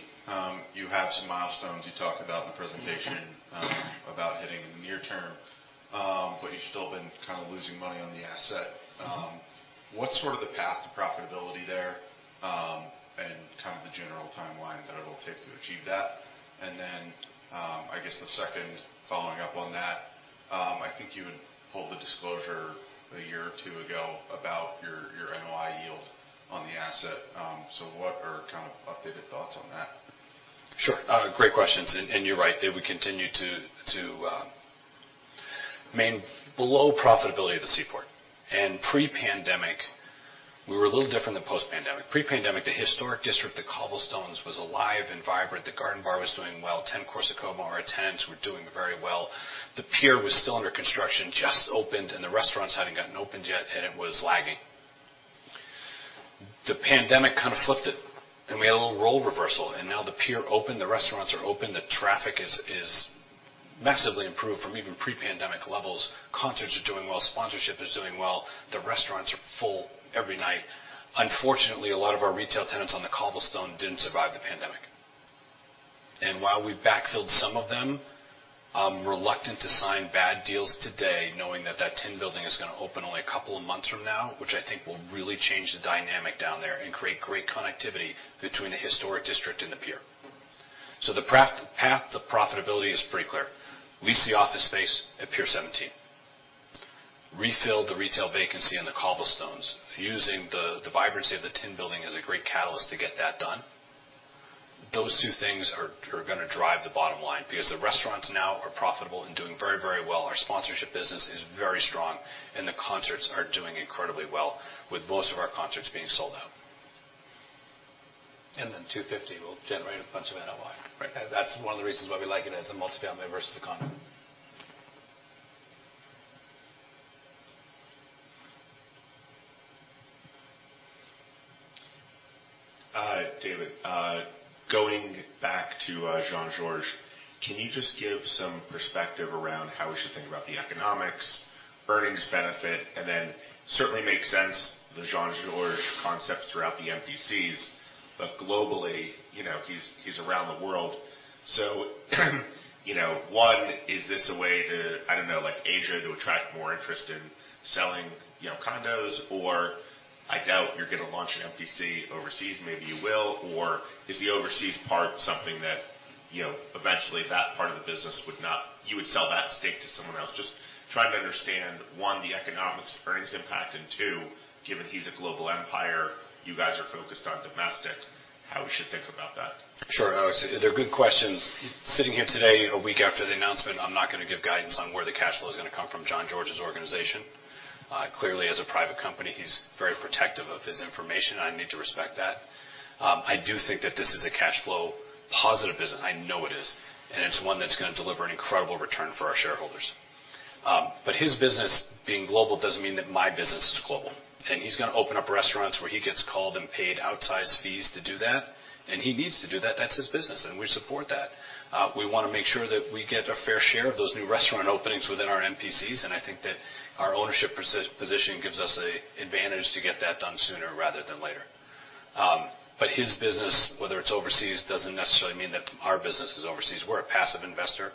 you have some milestones you talked about in the presentation, about hitting in the near term. You've still been kind of losing money on the asset. What's sort of the path to profitability there, and kind of the general timeline that it'll take to achieve that? I guess the second, following up on that, I think you had pulled the disclosure a year or two ago about your NOI yield on the asset. What are kind of updated thoughts on that? Sure. Great questions. You're right. We continue to remain below profitability of the Seaport. Pre-pandemic, we were a little different than post-pandemic. Pre-pandemic, the historic district, the cobblestones was alive and vibrant. The Garden Bar was doing well. 10 Corso Como, more tenants were doing very well. The Pier was still under construction, just opened, and the restaurants hadn't gotten opened yet, and it was lagging. The pandemic kind of flipped it, and we had a little role reversal, and now the Pier opened, the restaurants are open, the traffic is massively improved from even pre-pandemic levels. Concerts are doing well. Sponsorship is doing well. The restaurants are full every night. Unfortunately, a lot of our retail tenants on the cobblestone didn't survive the pandemic. While we backfilled some of them, I'm reluctant to sign bad deals today knowing that that Tin Building is gonna open only a couple of months from now, which I think will really change the dynamic down there and create great connectivity between the historic district and the Pier. The path to profitability is pretty clear. Lease the office space at Pier 17. Refill the retail vacancy in the cobblestones using the vibrancy of the Tin Building as a great catalyst to get that done. Those two things are gonna drive the bottom line because the restaurants now are profitable and doing very, very well. Our sponsorship business is very strong, and the concerts are doing incredibly well, with most of our concerts being sold out. $250 will generate a bunch of NOI. Right. That's one of the reasons why we like it as a multi-family versus a condo. David, going back to Jean-Georges, can you just give some perspective around how we should think about the economics, earnings benefit, and then certainly makes sense the Jean-Georges concepts throughout the MPCs. Globally, you know, he's around the world. So, you know, one, is this a way to, I don't know, like Asia, to attract more interest in selling, you know, condos? Or I doubt you're gonna launch an MPC overseas. Maybe you will. Or is the overseas part something that, you know, eventually that part of the business would not, you would sell that stake to someone else? Just trying to understand, one, the economics, the earnings impact, and two, given he's a global empire, you guys are focused on domestic, how we should think about that. Sure. They're good questions. Sitting here today, a week after the announcement, I'm not gonna give guidance on where the cash flow is gonna come from Jean-Georges' organization. Clearly, as a private company, he's very protective of his information. I need to respect that. I do think that this is a cash flow positive business. I know it is, and it's one that's gonna deliver an incredible return for our shareholders. But his business being global doesn't mean that my business is global. He's gonna open up restaurants where he gets called and paid outsized fees to do that, and he needs to do that. That's his business, and we support that. We wanna make sure that we get a fair share of those new restaurant openings within our MPCs, and I think that our ownership position gives us an advantage to get that done sooner rather than later. But his business, whether it's overseas, doesn't necessarily mean that our business is overseas. We're a passive investor.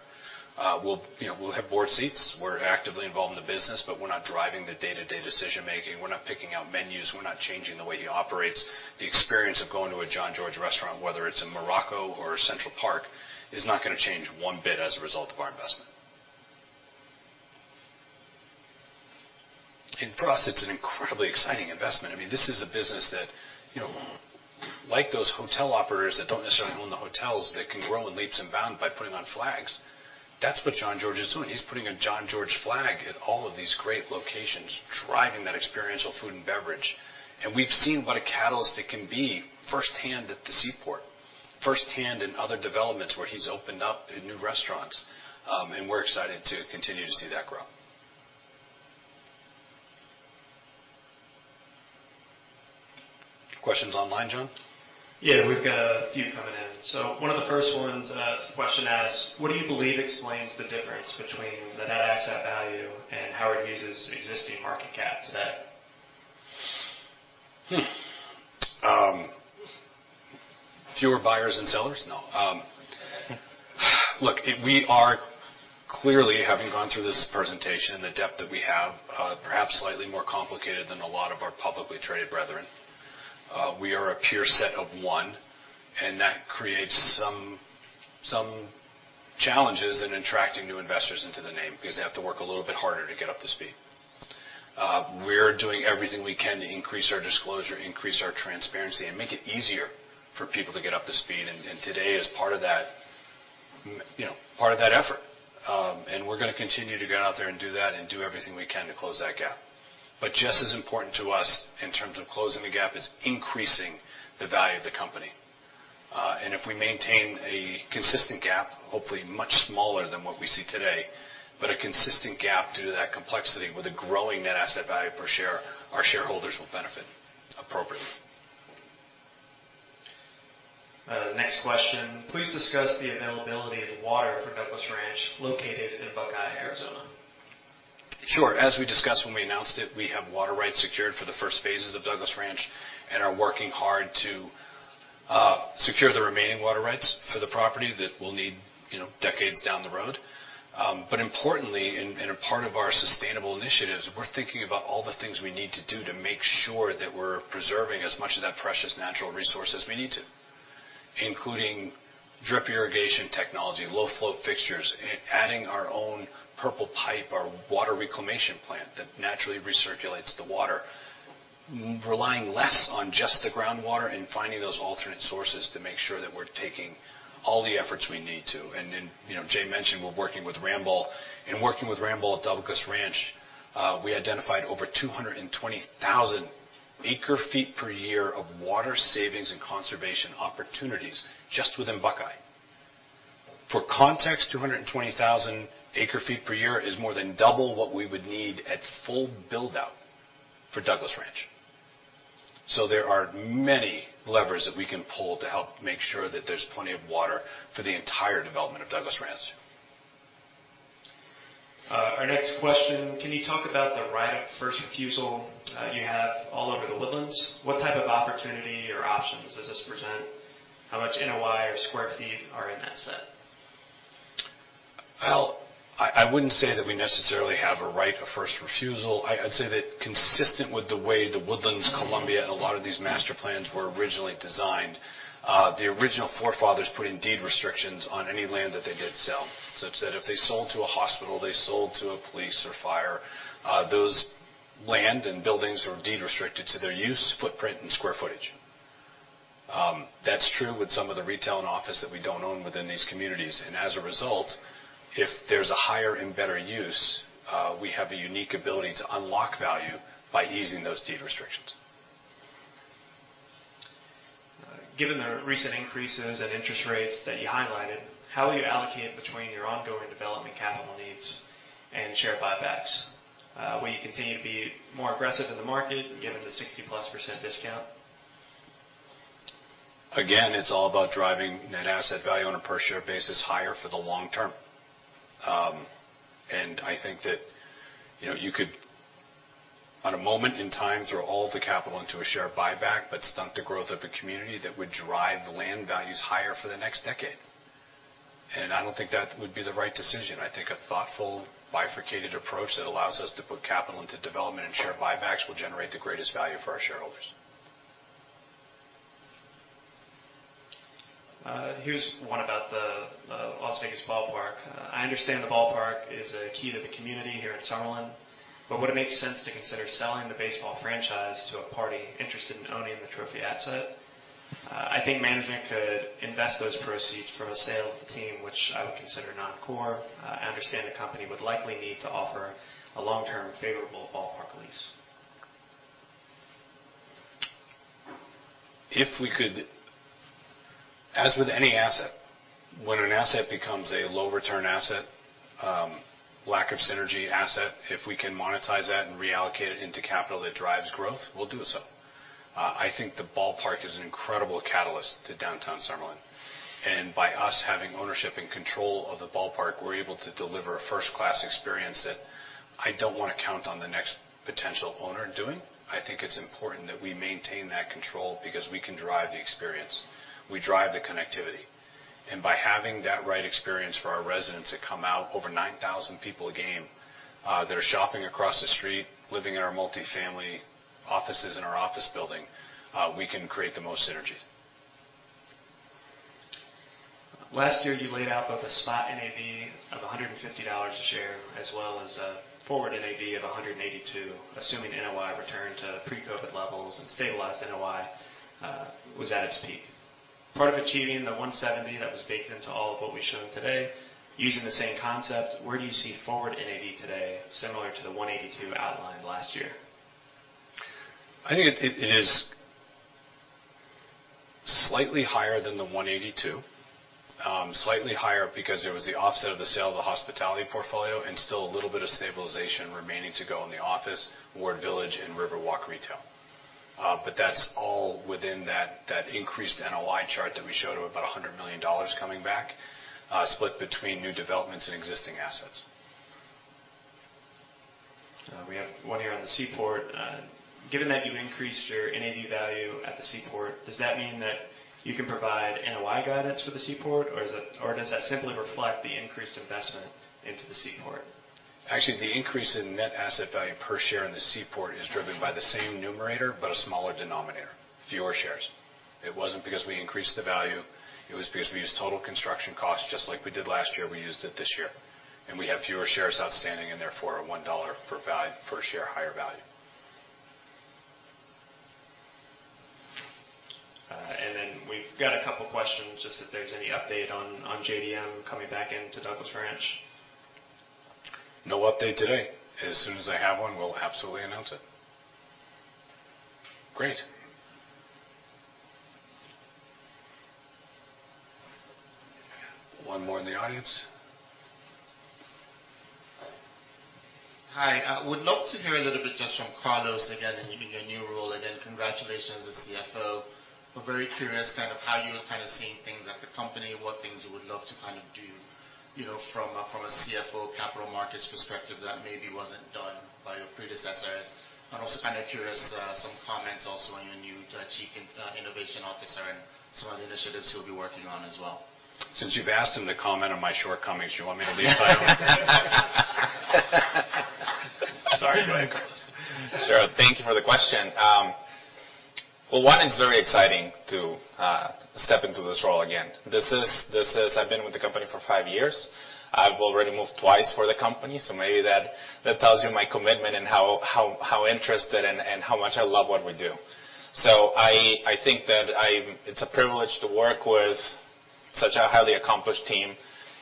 We'll, you know, have board seats. We're actively involved in the business, but we're not driving the day-to-day decision-making. We're not picking out menus. We're not changing the way he operates. The experience of going to a Jean-Georges restaurant, whether it's in Morocco or Central Park, is not gonna change one bit as a result of our investment. For us, it's an incredibly exciting investment. I mean, this is a business that, you know, like those hotel operators that don't necessarily own the hotels, that can grow in leaps and bounds by putting on flags. That's what Jean-Georges is doing. He's putting a Jean-Georges flag at all of these great locations, driving that experiential food and beverage. We've seen what a catalyst it can be firsthand at the Seaport, firsthand in other developments where he's opened up new restaurants. We're excited to continue to see that grow. Questions online, John? Yeah. We've got a few coming in. One of the first ones, question asks, "What do you believe explains the difference between the Net Asset Value and how it uses existing market cap today? Look, we are clearly, having gone through this presentation and the depth that we have, perhaps slightly more complicated than a lot of our publicly traded brethren. We are a pure set of one, and that creates some challenges in attracting new investors into the name because they have to work a little bit harder to get up to speed. We're doing everything we can to increase our disclosure, increase our transparency, and make it easier for people to get up to speed. Today is part of that, you know, part of that effort. We're gonna continue to get out there and do that and do everything we can to close that gap. Just as important to us in terms of closing the gap is increasing the value of the company. If we maintain a consistent gap, hopefully much smaller than what we see today, but a consistent gap due to that complexity with a growing Net Asset Value per share, our shareholders will benefit appropriately. Next question: Please discuss the availability of water for Douglas Ranch located in Buckeye, Arizona. Sure. As we discussed when we announced it, we have water rights secured for the first phases of Douglas Ranch and are working hard to secure the remaining water rights for the property that we'll need, you know, decades down the road. Importantly, in a part of our sustainable initiatives, we're thinking about all the things we need to do to make sure that we're preserving as much of that precious natural resource as we need to, including drip irrigation technology, low-flow fixtures, adding our own purple pipe, our water reclamation plant that naturally recirculates the water, relying less on just the groundwater and finding those alternate sources to make sure that we're taking all the efforts we need to. Then, you know, Jay mentioned we're working with Ramboll. In working with Ramboll at Douglas Ranch, we identified over 220,000 acre-feet per year of water savings and conservation opportunities just within Buckeye. For context, 220,000 acre-feet per year is more than double what we would need at full build-out for Douglas Ranch. There are many levers that we can pull to help make sure that there's plenty of water for the entire development of Douglas Ranch. Our next question: Can you talk about the right of first refusal you have all over The Woodlands? What type of opportunity or options does this present? How much NOI or square feet are in that set? Well, I wouldn't say that we necessarily have a right of first refusal. I'd say that consistent with the way The Woodlands, Columbia, and a lot of these master plans were originally designed, the original forefathers put in deed restrictions on any land that they did sell, such that if they sold to a hospital, they sold to a police or fire, those land and buildings were deed restricted to their use, footprint, and square footage. That's true with some of the retail and office that we don't own within these communities. As a result, if there's a higher and better use, we have a unique ability to unlock value by easing those deed restrictions. Given the recent increases in interest rates that you highlighted, how will you allocate between your ongoing development capital needs and share buybacks? Will you continue to be more aggressive in the market given the 60%+ discount? Again, it's all about driving Net Asset Value on a per share basis higher for the long term. I think that, you know, you could on a moment in time throw all the capital into a share buyback, but stunt the growth of the community that would drive the land values higher for the next decade. I don't think that would be the right decision. I think a thoughtful bifurcated approach that allows us to put capital into development and share buybacks will generate the greatest value for our shareholders. Here's one about the Las Vegas Ballpark. I understand the ballpark is a key to the community here at Summerlin, but would it make sense to consider selling the baseball franchise to a party interested in owning the trophy asset? I think management could invest those proceeds from a sale of the team, which I would consider non-core. I understand the company would likely need to offer a long-term favorable ballpark lease. As with any asset, when an asset becomes a low-return asset, lack of synergy asset, if we can monetize that and reallocate it into capital that drives growth, we'll do so. I think the ballpark is an incredible catalyst to Downtown Summerlin. By us having ownership and control of the ballpark, we're able to deliver a first-class experience that I don't wanna count on the next potential owner doing. I think it's important that we maintain that control because we can drive the experience. We drive the connectivity. By having that right experience for our residents that come out, over 9,000 people a game, they're shopping across the street, living in our multi-family offices in our office building, we can create the most synergies. Last year, you laid out both a spot NAV of $150 a share, as well as a forward NAV of $182, assuming NOI returned to pre-COVID levels and stabilized NOI was at its peak. Part of achieving the $170 that was baked into all of what we've shown today, using the same concept, where do you see forward NAV today, similar to the $182 outlined last year? I think it is slightly higher than the $182. Slightly higher because there was the offset of the sale of the hospitality portfolio and still a little bit of stabilization remaining to go in the office, Ward Village and Riverwalk Retail. That's all within that increased NOI chart that we showed of about $100 million coming back, split between new developments and existing assets. We have one here on the Seaport. Given that you've increased your NAV value at the Seaport, does that mean that you can provide NOI guidance for the Seaport, or does that simply reflect the increased investment into the Seaport? Actually, the increase in Net Asset Value per share in the Seaport is driven by the same numerator, but a smaller denominator, fewer shares. It wasn't because we increased the value, it was because we used total construction cost, just like we did last year, we used it this year. We have fewer shares outstanding, and therefore, a $1 per share higher value. We've got a couple of questions, just if there's any update on JDM coming back into Douglas Ranch. No update today. As soon as I have one, we'll absolutely announce it. Great. One more in the audience. Hi. I would love to hear a little bit just from Carlos, again, in your new role. Again, congratulations as CFO. We're very curious kind of how you're kind of seeing things at the company, what things you would love to kind of do, you know, from a CFO capital markets perspective that maybe wasn't done by your predecessors. I'm also kind of curious, some comments also on your new Chief Innovation Officer and some of the initiatives he'll be working on as well. Since you've asked him to comment on my shortcomings, you want me to lead by example? Sorry. Go ahead, Carlos. Sure. Thank you for the question. Well, one, it's very exciting to step into this role again. This is. I've been with the company for five years. I've already moved twice for the company, so maybe that tells you my commitment and how interested and how much I love what we do. I think that it's a privilege to work with such a highly accomplished team.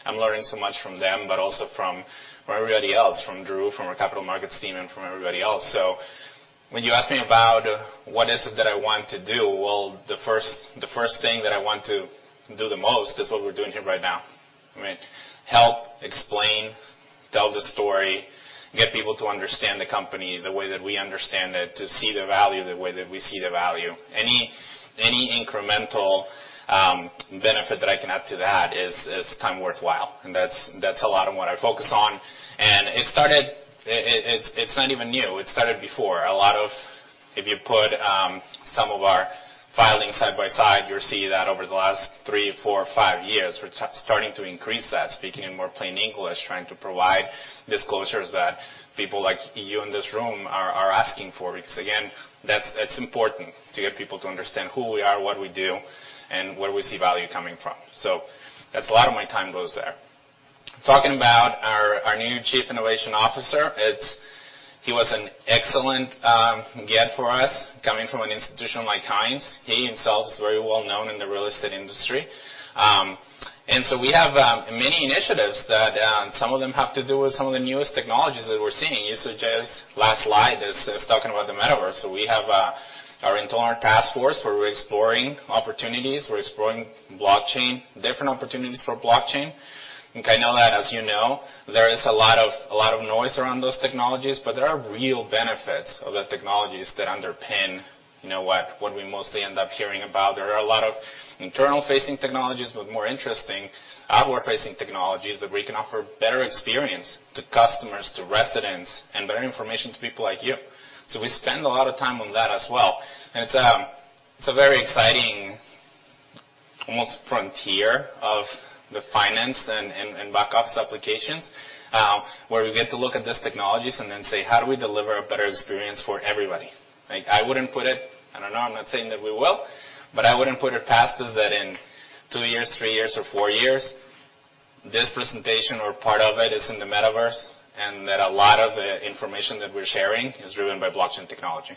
I'm learning so much from them, but also from everybody else, from Drew, from our capital markets team, and from everybody else. When you ask me about what is it that I want to do, well, the first thing that I want to do the most is what we're doing here right now. I mean, help explain, tell the story, get people to understand the company the way that we understand it, to see the value the way that we see the value. Any incremental benefit that I can add to that is time worthwhile. That's a lot of what I focus on. It started before. It's not even new. It started before. If you put some of our filings side by side, you'll see that over the last three, four, five years, we're starting to increase that, speaking in more plain English, trying to provide disclosures that people like you in this room are asking for, because again, that's it's important to get people to understand who we are, what we do, and where we see value coming from. That's a lot of my time goes there. Talking about our new chief innovation officer, it's he was an excellent get for us coming from an institution like Hines. He himself is very well known in the real estate industry. We have many initiatives that some of them have to do with some of the newest technologies that we're seeing. The suggested last slide is talking about the metaverse. We have our internal task force where we're exploring opportunities, we're exploring blockchain, different opportunities for blockchain. I know that, as you know, there is a lot of noise around those technologies, but there are real benefits of the technologies that underpin, you know, what we mostly end up hearing about. There are a lot of internal-facing technologies, but more interesting outward-facing technologies that we can offer better experience to customers, to residents, and better information to people like you. We spend a lot of time on that as well. It's a very exciting, almost frontier of the finance and back office applications, where we get to look at these technologies and then say, "How do we deliver a better experience for everybody?" Like, I wouldn't put it. I don't know. I'm not saying that we will, but I wouldn't put it past us that in two years, three years, or four years, this presentation or part of it is in the metaverse, and that a lot of the information that we're sharing is driven by blockchain technology.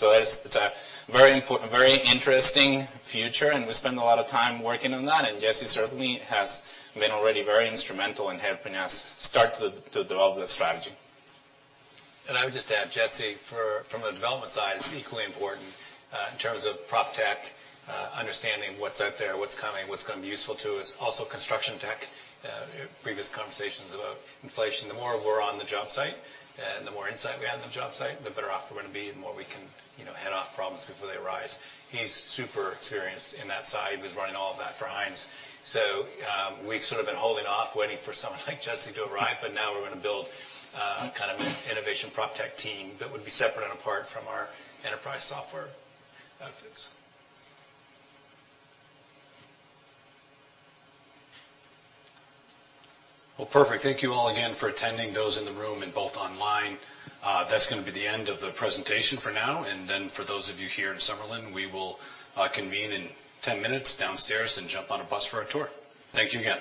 That is, it's a very interesting future, and we spend a lot of time working on that. Jesse certainly has been already very instrumental in helping us start to develop the strategy. I would just add, Jesse, from a development side, it's equally important, in terms of proptech, understanding what's out there, what's coming, what's gonna be useful to us. Also, construction tech. Previous conversations about inflation. The more we're on the job site and the more insight we have on the job site, the better off we're gonna be, the more we can, you know, head off problems before they arise. He's super experienced in that side. He was running all of that for Hines. We've sort of been holding off waiting for someone like Jesse to arrive, but now we're gonna build, kind of an innovation proptech team that would be separate and apart from our enterprise software fix. Well, perfect. Thank you all again for attending, those in the room and both online. That's gonna be the end of the presentation for now. For those of you here in Summerlin, we will convene in 10 minutes downstairs and jump on a bus for our tour. Thank you again.